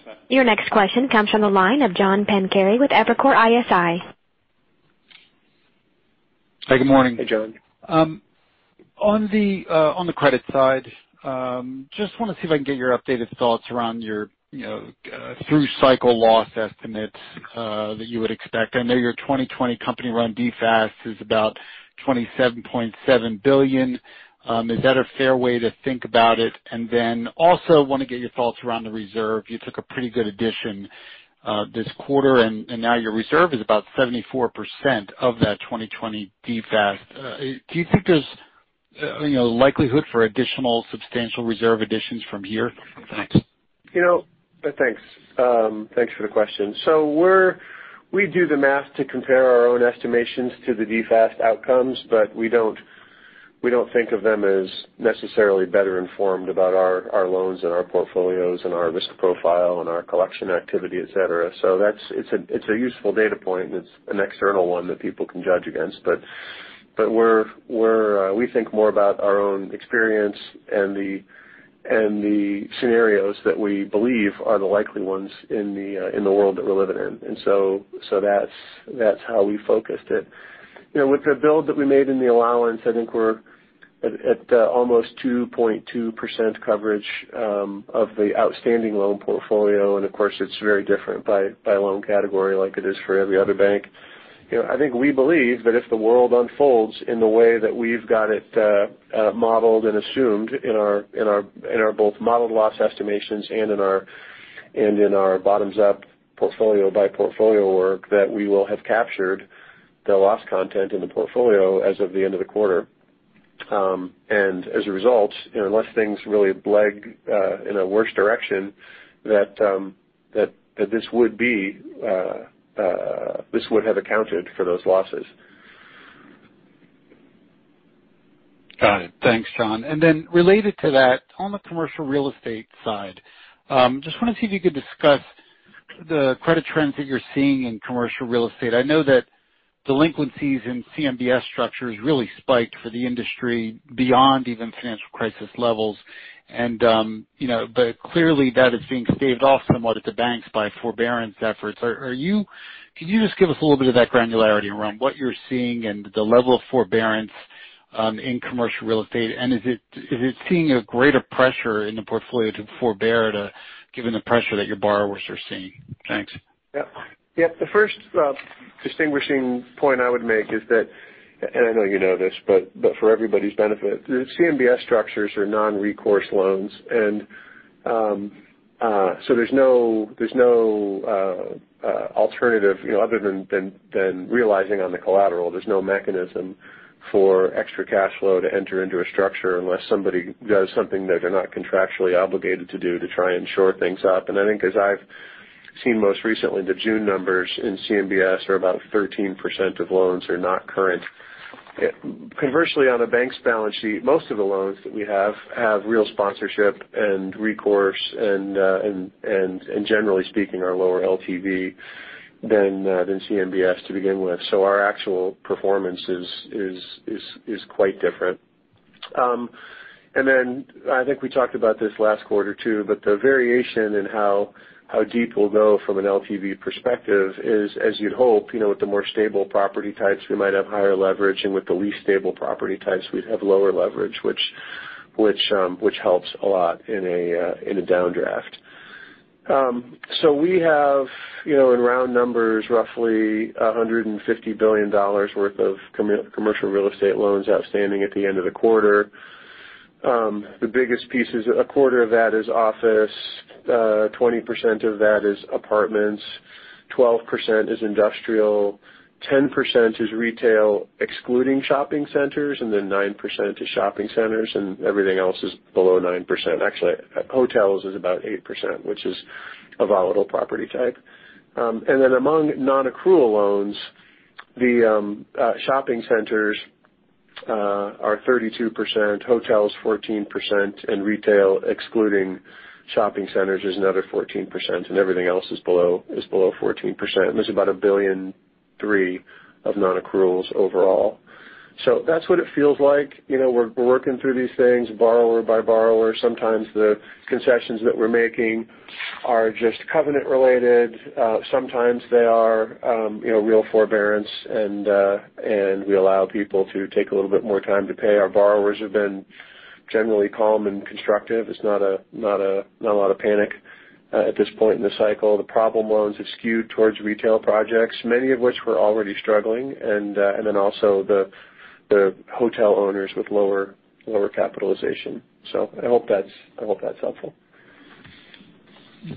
Matt. Your next question comes from the line of John Pancari with Evercore ISI. Hi, good morning. Hey, John. On the credit side, just want to see if I can get your updated thoughts around your through cycle loss estimates that you would expect. I know your 2020 company run DFAST is about $27.7 billion. Is that a fair way to think about it? Also want to get your thoughts around the reserve. You took a pretty good addition this quarter, and now your reserve is about 74% of that 2020 DFAST. Do you think there's likelihood for additional substantial reserve additions from here? Thanks. Thanks for the question. We do the math to compare our own estimations to the DFAST outcomes, but we don't think of them as necessarily better informed about our loans and our portfolios and our risk profile and our collection activity, et cetera. It's a useful data point, and it's an external one that people can judge against. We think more about our own experience and the scenarios that we believe are the likely ones in the world that we're living in. That's how we focused it. With the build that we made in the allowance, I think we're at almost 2.2% coverage of the outstanding loan portfolio. Of course, it's very different by loan category like it is for every other bank. I think we believe that if the world unfolds in the way that we've got it modeled and assumed in our both modeled loss estimations and in our bottoms-up portfolio by portfolio work, that we will have captured the loss content in the portfolio as of the end of the quarter. As a result, unless things really break in a worse direction, that this would have accounted for those losses. Got it. Thanks, John. Related to that, on the commercial real estate side, just want to see if you could discuss the credit trends that you're seeing in commercial real estate. I know that delinquencies in CMBS structures really spiked for the industry beyond even financial crisis levels. Clearly that is being staved off somewhat at the banks by forbearance efforts. Can you just give us a little bit of that granularity around what you're seeing and the level of forbearance in commercial real estate? Is it seeing a greater pressure in the portfolio to forbear given the pressure that your borrowers are seeing? Thanks. Yep. The first distinguishing point I would make is that, and I know you know this, but for everybody's benefit, CMBS structures are non-recourse loans. There's no alternative other than realizing on the collateral. There's no mechanism for extra cash flow to enter into a structure unless somebody does something that they're not contractually obligated to do to try and shore things up. I think as I've seen most recently, the June numbers in CMBS are about 13% of loans are not current. Conversely, on a bank's balance sheet, most of the loans that we have have real sponsorship and recourse, and generally speaking, are lower LTV than CMBS to begin with. Our actual performance is quite different. I think we talked about this last quarter, too, but the variation in how deep we'll go from an LTV perspective is, as you'd hope, with the more stable property types, we might have higher leverage, and with the least stable property types, we'd have lower leverage, which helps a lot in a downdraft. We have, in round numbers, roughly $150 billion worth of commercial real estate loans outstanding at the end of the quarter. The biggest piece is a quarter of that is office, 20% of that is apartments, 12% is industrial, 10% is retail, excluding shopping centers, and then 9% is shopping centers, and everything else is below 9%. Actually, hotels is about 8%, which is a volatile property type. Then among non-accrual loans, the shopping centers are 32%, hotels 14%, and retail, excluding shopping centers, is another 14%, and everything else is below 14%. This is about $1.3 billion of non-accruals overall. That's what it feels like. We're working through these things borrower by borrower. Sometimes the concessions that we're making are just covenant related. Sometimes they are real forbearance, and we allow people to take a little bit more time to pay. Our borrowers have been generally calm and constructive. It's not a lot of panic at this point in the cycle. The problem loans have skewed towards retail projects, many of which were already struggling, then also the hotel owners with lower capitalization. I hope that's helpful.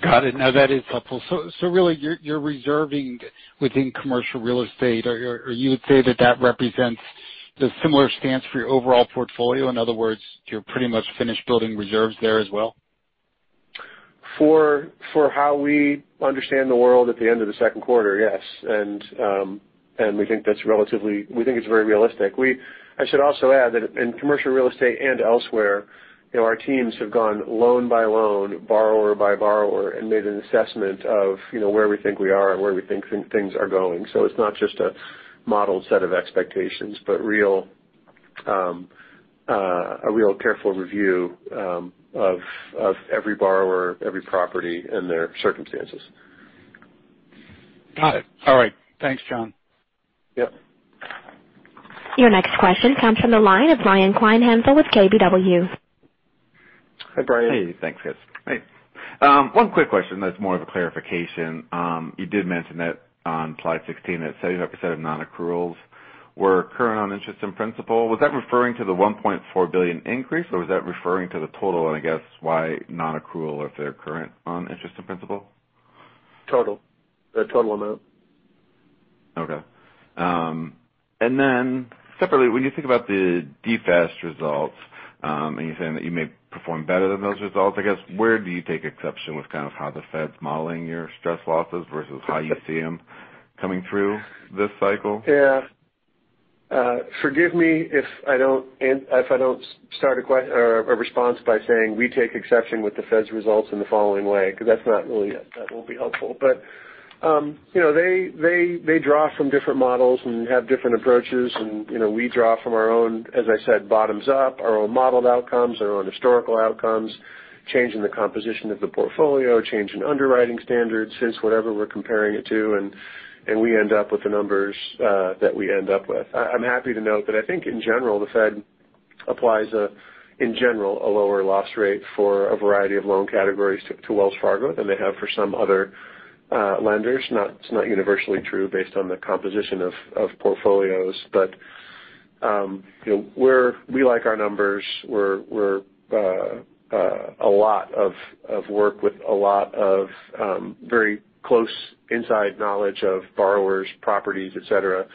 Got it. No, that is helpful. Really, you're reserving within commercial real estate, or you would say that that represents the similar stance for your overall portfolio? In other words, you're pretty much finished building reserves there as well? For how we understand the world at the end of the second quarter, yes. We think it's very realistic. I should also add that in commercial real estate and elsewhere, our teams have gone loan by loan, borrower by borrower, and made an assessment of where we think we are and where we think things are going. It's not just a modeled set of expectations, but a real careful review of every borrower, every property, and their circumstances. Got it. All right. Thanks, John. Yep. Your next question comes from the line of Brian Kleinhanzl with KBW. Hi, Brian. Hey. Thanks, guys. Hi. One quick question that's more of a clarification. You did mention that on slide 16, that 70% of non-accruals were current on interest and principal. Was that referring to the $1.4 billion increase, or was that referring to the total? I guess why non-accrual if they're current on interest and principal? Total. The total amount. Okay. Separately, when you think about the DFAST results, and you're saying that you may perform better than those results, I guess, where do you take exception with kind of how the Fed's modeling your stress losses versus how you see them coming through this cycle? Yeah. Forgive me if I don't start a response by saying we take exception with the Fed's results in the following way because that won't be helpful. They draw from different models and have different approaches. We draw from our own, as I said, bottoms up, our own modeled outcomes, our own historical outcomes, change in the composition of the portfolio, change in underwriting standards since whatever we're comparing it to, and we end up with the numbers that we end up with. I'm happy to note that I think in general the Fed Applies, in general, a lower loss rate for a variety of loan categories to Wells Fargo than they have for some other lenders. It's not universally true based on the composition of portfolios. We like our numbers. A lot of work with a lot of very close inside knowledge of borrowers, properties, et cetera,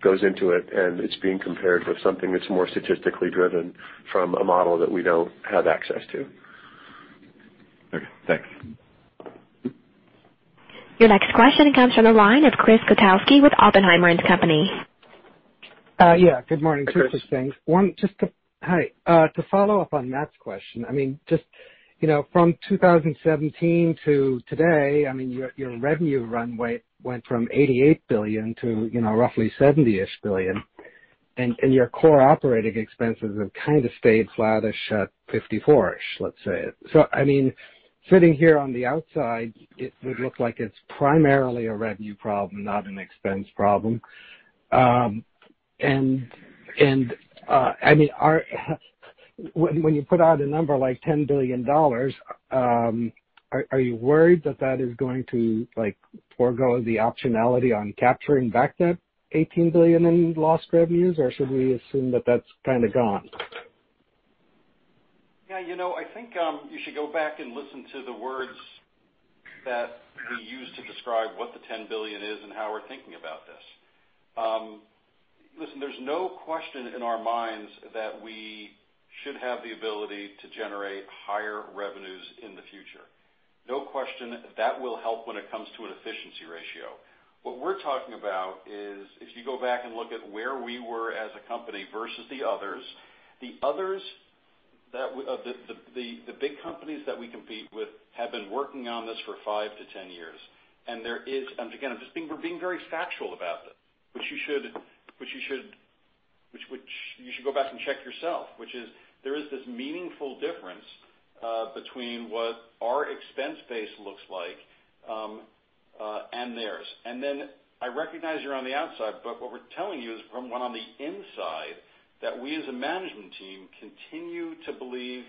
goes into it, and it's being compared with something that's more statistically driven from a model that we don't have access to. Okay, thanks. Your next question comes from the line of Chris Kotowski with Oppenheimer & Co. Inc. Yeah. Good morning. Hi, Chris. Chris, thanks. Hi. To follow up on Matt's question, from 2017 to today, your revenue run rate went from $88 billion to roughly $70 billion, and your core operating expenses have kind of stayed flattish at $54 billion, let's say. Sitting here on the outside, it would look like it's primarily a revenue problem, not an expense problem. When you put out a number like $10 billion, are you worried that that is going to forego the optionality on capturing back that $18 billion in lost revenues, or should we assume that that's kind of gone? Yeah. I think you should go back and listen to the words that we use to describe what the $10 billion is and how we're thinking about this. There's no question in our minds that we should have the ability to generate higher revenues in the future. No question, that will help when it comes to an efficiency ratio. What we're talking about is if you go back and look at where we were as a company versus the others, the big companies that we compete with have been working on this for five to 10 years. Again, I'm just being very factual about this, which you should go back and check yourself, which is there is this meaningful difference between what our expense base looks like and theirs. Then I recognize you're on the outside, but what we're telling you is from on the inside, that we as a management team continue to believe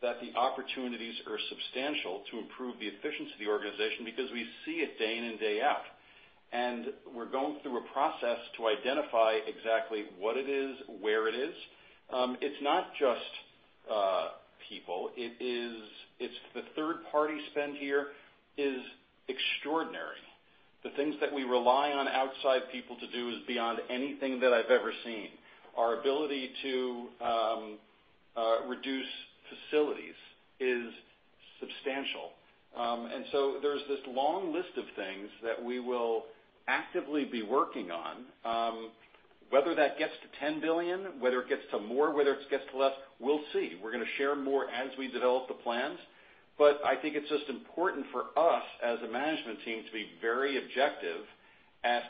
that the opportunities are substantial to improve the efficiency of the organization because we see it day in and day out. We're going through a process to identify exactly what it is, where it is. It's not just people. The third-party spend here is extraordinary. The things that we rely on outside people to do is beyond anything that I've ever seen. Our ability to reduce facilities is substantial. There's this long list of things that we will actively be working on. Whether that gets to $10 billion, whether it gets to more, whether it gets to less, we'll see. We're going to share more as we develop the plans. I think it's just important for us as a management team to be very objective at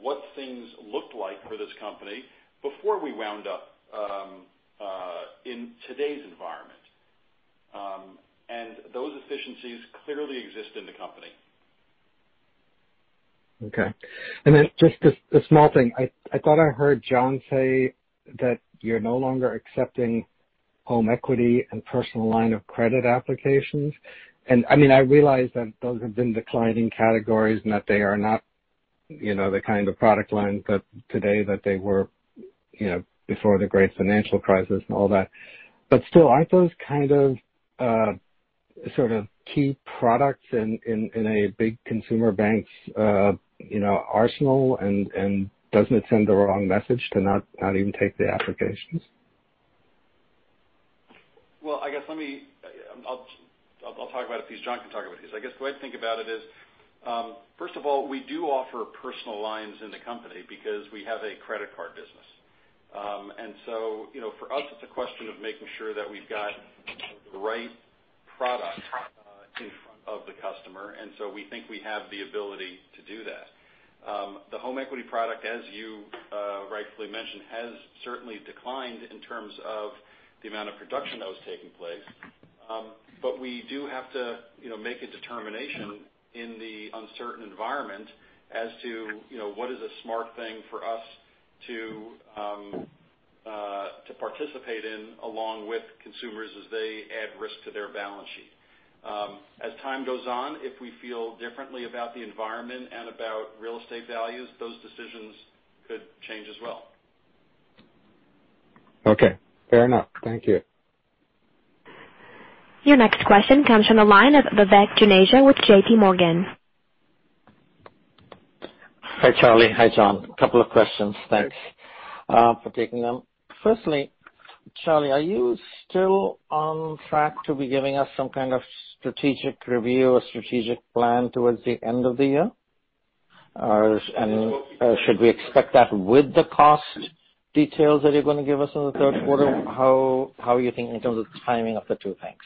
what things looked like for this company before we wound up in today's environment. Those efficiencies clearly exist in the company. Okay. Just a small thing. I thought I heard John say that you're no longer accepting home equity and personal line of credit applications. I realize that those have been declining categories and that they are not the kind of product lines today that they were before the great financial crisis and all that. Still aren't those sort of key products in a big consumer bank's arsenal, and doesn't it send the wrong message to not even take the applications? Well, I'll talk about it if John can talk about it. I guess the way to think about it is, first of all, we do offer personal lines in the company because we have a credit card business. For us, it's a question of making sure that we've got the right product in front of the customer. We think we have the ability to do that. The home equity product, as you rightfully mentioned, has certainly declined in terms of the amount of production that was taking place. We do have to make a determination in the uncertain environment as to what is a smart thing for us to participate in along with consumers as they add risk to their balance sheet. As time goes on, if we feel differently about the environment and about real estate values, those decisions could change as well. Okay. Fair enough. Thank you. Your next question comes from the line of Vivek Juneja with JPMorgan. Hi, Charlie. Hi, John. A couple of questions. Thanks for taking them. Firstly, Charlie, are you still on track to be giving us some kind of strategic review or strategic plan towards the end of the year? Should we expect that with the cost details that you're going to give us in the third quarter? How are you thinking in terms of the timing of the two things?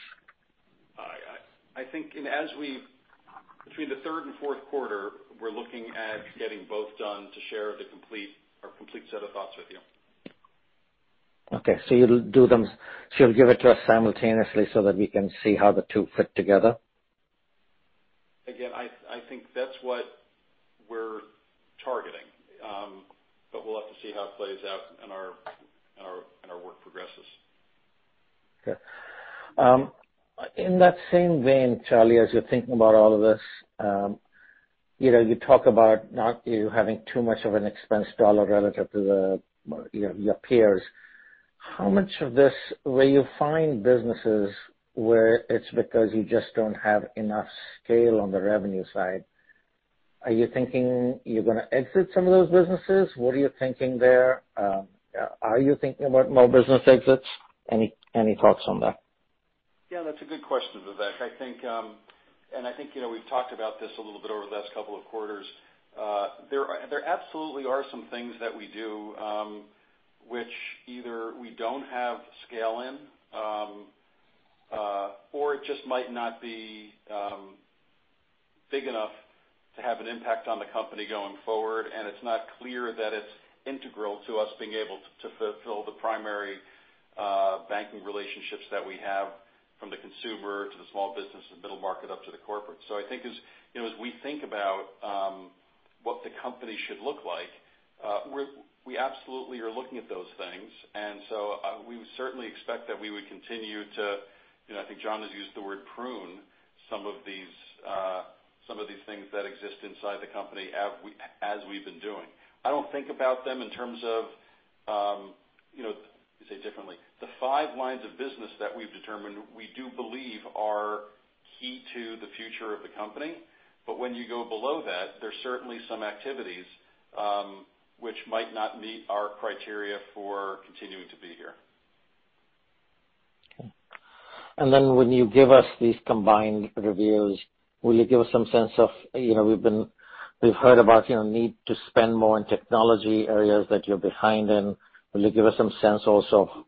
Between the third and fourth quarter, we're looking at getting both done to share our complete set of thoughts with you. Okay. You'll give it to us simultaneously so that we can see how the two fit together? Again, I think that's what we're targeting. We'll have to see how it plays out and our work progresses. Okay. In that same vein, Charlie, as you're thinking about all of this, you talk about not you having too much of an expense dollar relative to your peers. How much of this will you find businesses where it's because you just don't have enough scale on the revenue side? Are you thinking you're going to exit some of those businesses? What are you thinking there? Are you thinking about more business exits? Any thoughts on that? Yeah, that's a good question, Vivek. I think we've talked about this a little bit over the last couple of quarters. There absolutely are some things that we do, which either we don't have scale in, or it just might not be big enough to have an impact on the company going forward, and it's not clear that it's integral to us being able to fulfill the primary banking relationships that we have from the consumer to the small business and middle market up to the corporate. I think as we think about what the company should look like, we absolutely are looking at those things, and so we certainly expect that we would continue to, I think John has used the word prune some of these things that exist inside the company as we've been doing. I don't think about them in terms of, let me say it differently. The five lines of business that we've determined we do believe are key to the future of the company. When you go below that, there's certainly some activities which might not meet our criteria for continuing to be here. Okay. When you give us these combined reviews, will you give us some sense of, we've heard about need to spend more on technology areas that you're behind in. Will you give us some sense also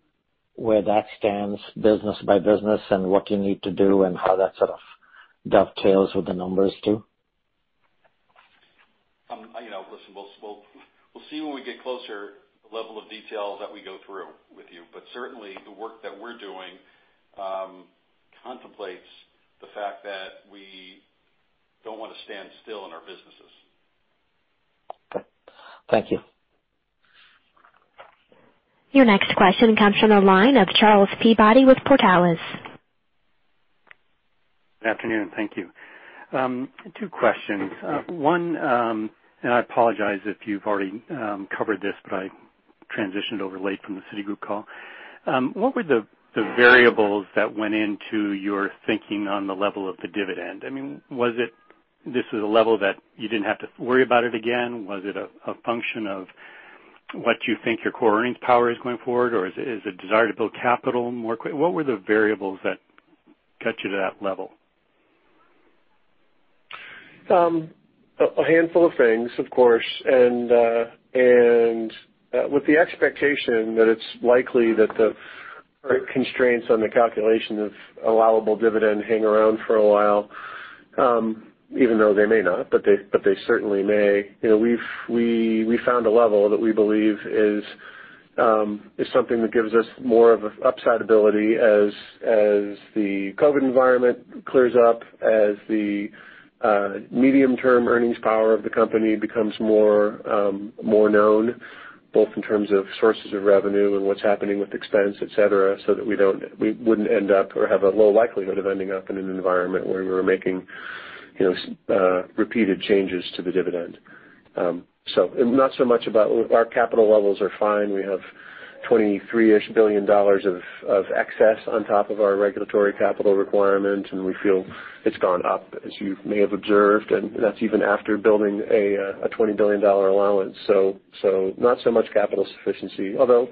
where that stands business by business and what you need to do and how that sort of dovetails with the numbers too? Listen, we'll see when we get closer the level of details that we go through with you. Certainly the work that we're doing contemplates the fact that we don't want to stand still in our businesses. Okay. Thank you. Your next question comes from the line of Charles Peabody with Portales. Good afternoon. Thank you. Two questions. One, I apologize if you've already covered this, but I transitioned over late from the Citigroup call. What were the variables that went into your thinking on the level of the dividend? I mean, was it this is a level that you didn't have to worry about it again? Was it a function of what you think your core earnings power is going forward or is it desire to build capital more quick? What were the variables that got you to that level? A handful of things, of course. With the expectation that it's likely that the current constraints on the calculation of allowable dividend hang around for a while, even though they may not, but they certainly may. We found a level that we believe is something that gives us more of a upside ability as the COVID environment clears up, as the medium-term earnings power of the company becomes more known, both in terms of sources of revenue and what's happening with expense, et cetera, that we wouldn't end up or have a low likelihood of ending up in an environment where we were making repeated changes to the dividend. Not so much about, our capital levels are fine. We have $23-ish billion of excess on top of our regulatory capital requirement, and we feel it's gone up, as you may have observed, and that's even after building a $20 billion allowance. Not so much capital sufficiency, although,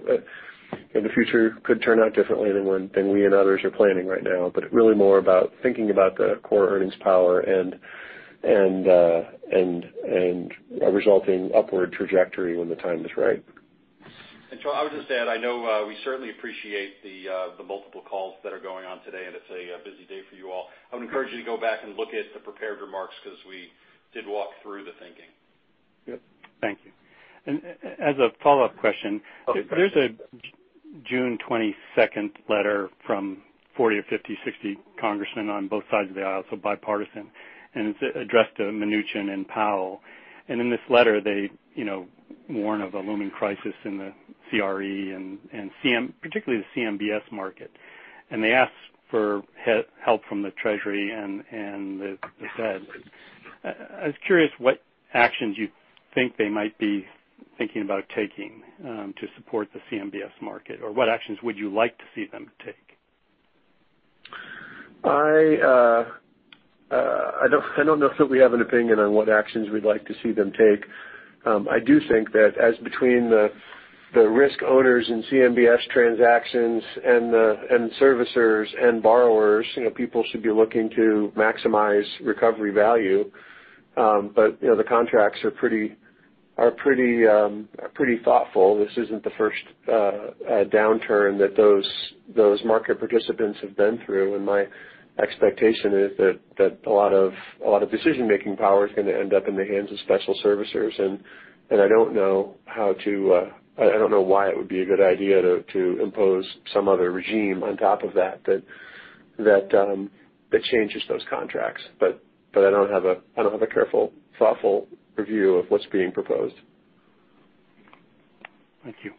in the future could turn out differently than we and others are planning right now, but really more about thinking about the core earnings power and a resulting upward trajectory when the time is right. Charles, I would just add, I know we certainly appreciate the multiple calls that are going on today, and it's a busy day for you all. I would encourage you to go back and look at the prepared remarks because we did walk through the thinking. Yep. Thank you. As a follow-up question, there's a June 22nd letter from 40 or 50, 60 congressmen on both sides of the aisle, so bipartisan, and it's addressed to Mnuchin and Powell. In this letter, they warn of a looming crisis in the CRE and particularly the CMBS market. They ask for help from the Treasury and the Fed. I was curious what actions you think they might be thinking about taking to support the CMBS market, or what actions would you like to see them take? I don't necessarily have an opinion on what actions we'd like to see them take. I do think that as between the risk owners in CMBS transactions and servicers and borrowers, people should be looking to maximize recovery value. The contracts are pretty thoughtful. This isn't the first downturn that those market participants have been through, and my expectation is that a lot of decision-making power is going to end up in the hands of special servicers. I don't know why it would be a good idea to impose some other regime on top of that changes those contracts. I don't have a careful, thoughtful review of what's being proposed. Thank you.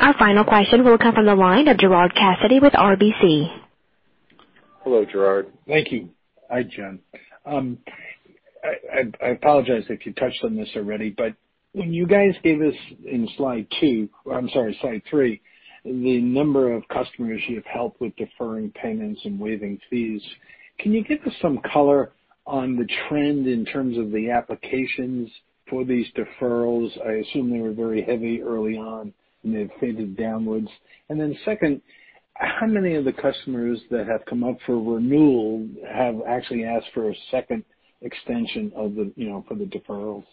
Our final question will come from the line of Gerard Cassidy with RBC. Hello, Gerard. Thank you. Hi, John. I apologize if you touched on this already, but when you guys gave us in slide three, the number of customers you have helped with deferring payments and waiving fees. Can you give us some color on the trend in terms of the applications for these deferrals? I assume they were very heavy early on and they've faded downwards. Second, how many of the customers that have come up for renewal have actually asked for a second extension of the deferrals?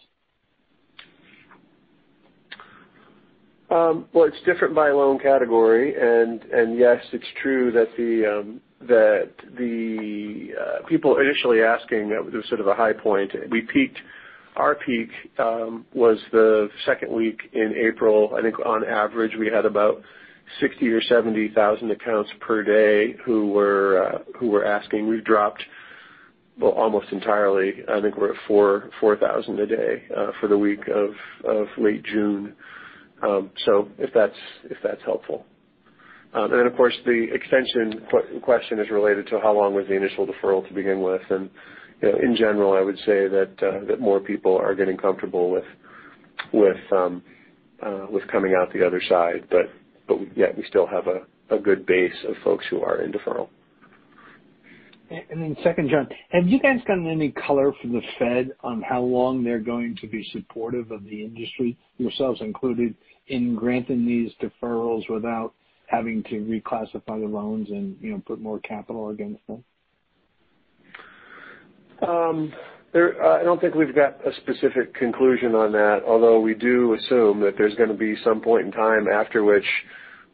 Well, it's different by loan category. Yes, it's true that the people initially asking, there was sort of a high point. Our peak was the second week in April. I think on average we had about 60,000 or 70,000 accounts per day who were asking. We've dropped, well, almost entirely. I think we're at 4,000 a day for the week of late June. If that's helpful. Of course, the extension question is related to how long was the initial deferral to begin with. In general, I would say that more people are getting comfortable with coming out the other side. Yet we still have a good base of folks who are in deferral. Second, John, have you guys gotten any color from the Fed on how long they're going to be supportive of the industry, yourselves included, in granting these deferrals without having to reclassify the loans and put more capital against them? I don't think we've got a specific conclusion on that, although we do assume that there's going to be some point in time after which,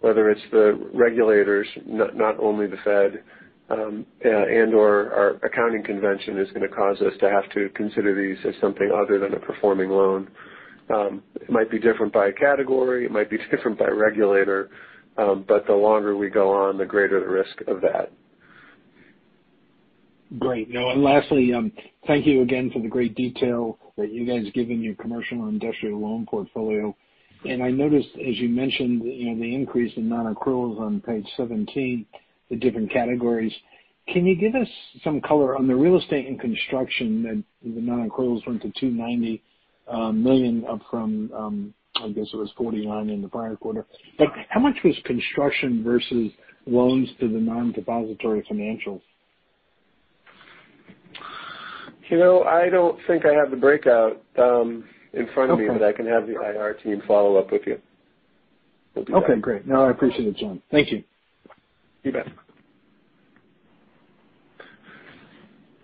whether it's the regulators, not only the Fed, and/or our accounting convention is going to cause us to have to consider these as something other than a performing loan. It might be different by category, it might be different by regulator. The longer we go on, the greater the risk of that. Great. Now lastly, thank you again for the great detail that you guys give in your commercial and industrial loan portfolio. I noticed as you mentioned the increase in non-accruals on page 17, the different categories. Can you give us some color on the real estate and construction that the non-accruals went to $290 million up from, I guess it was $49 in the prior quarter? How much was construction versus loans to the non-depository financials? I don't think I have the breakout in front of me. Okay I can have the IR team follow up with you. Will do that. Okay, great. No, I appreciate it, John. Thank you. You bet.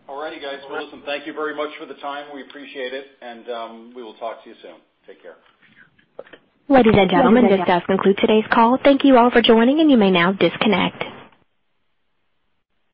All righty, guys. Awesome. Thank you very much for the time. We appreciate it and we will talk to you soon. Take care. Ladies and gentlemen, this does conclude today's call. Thank you all for joining and you may now disconnect.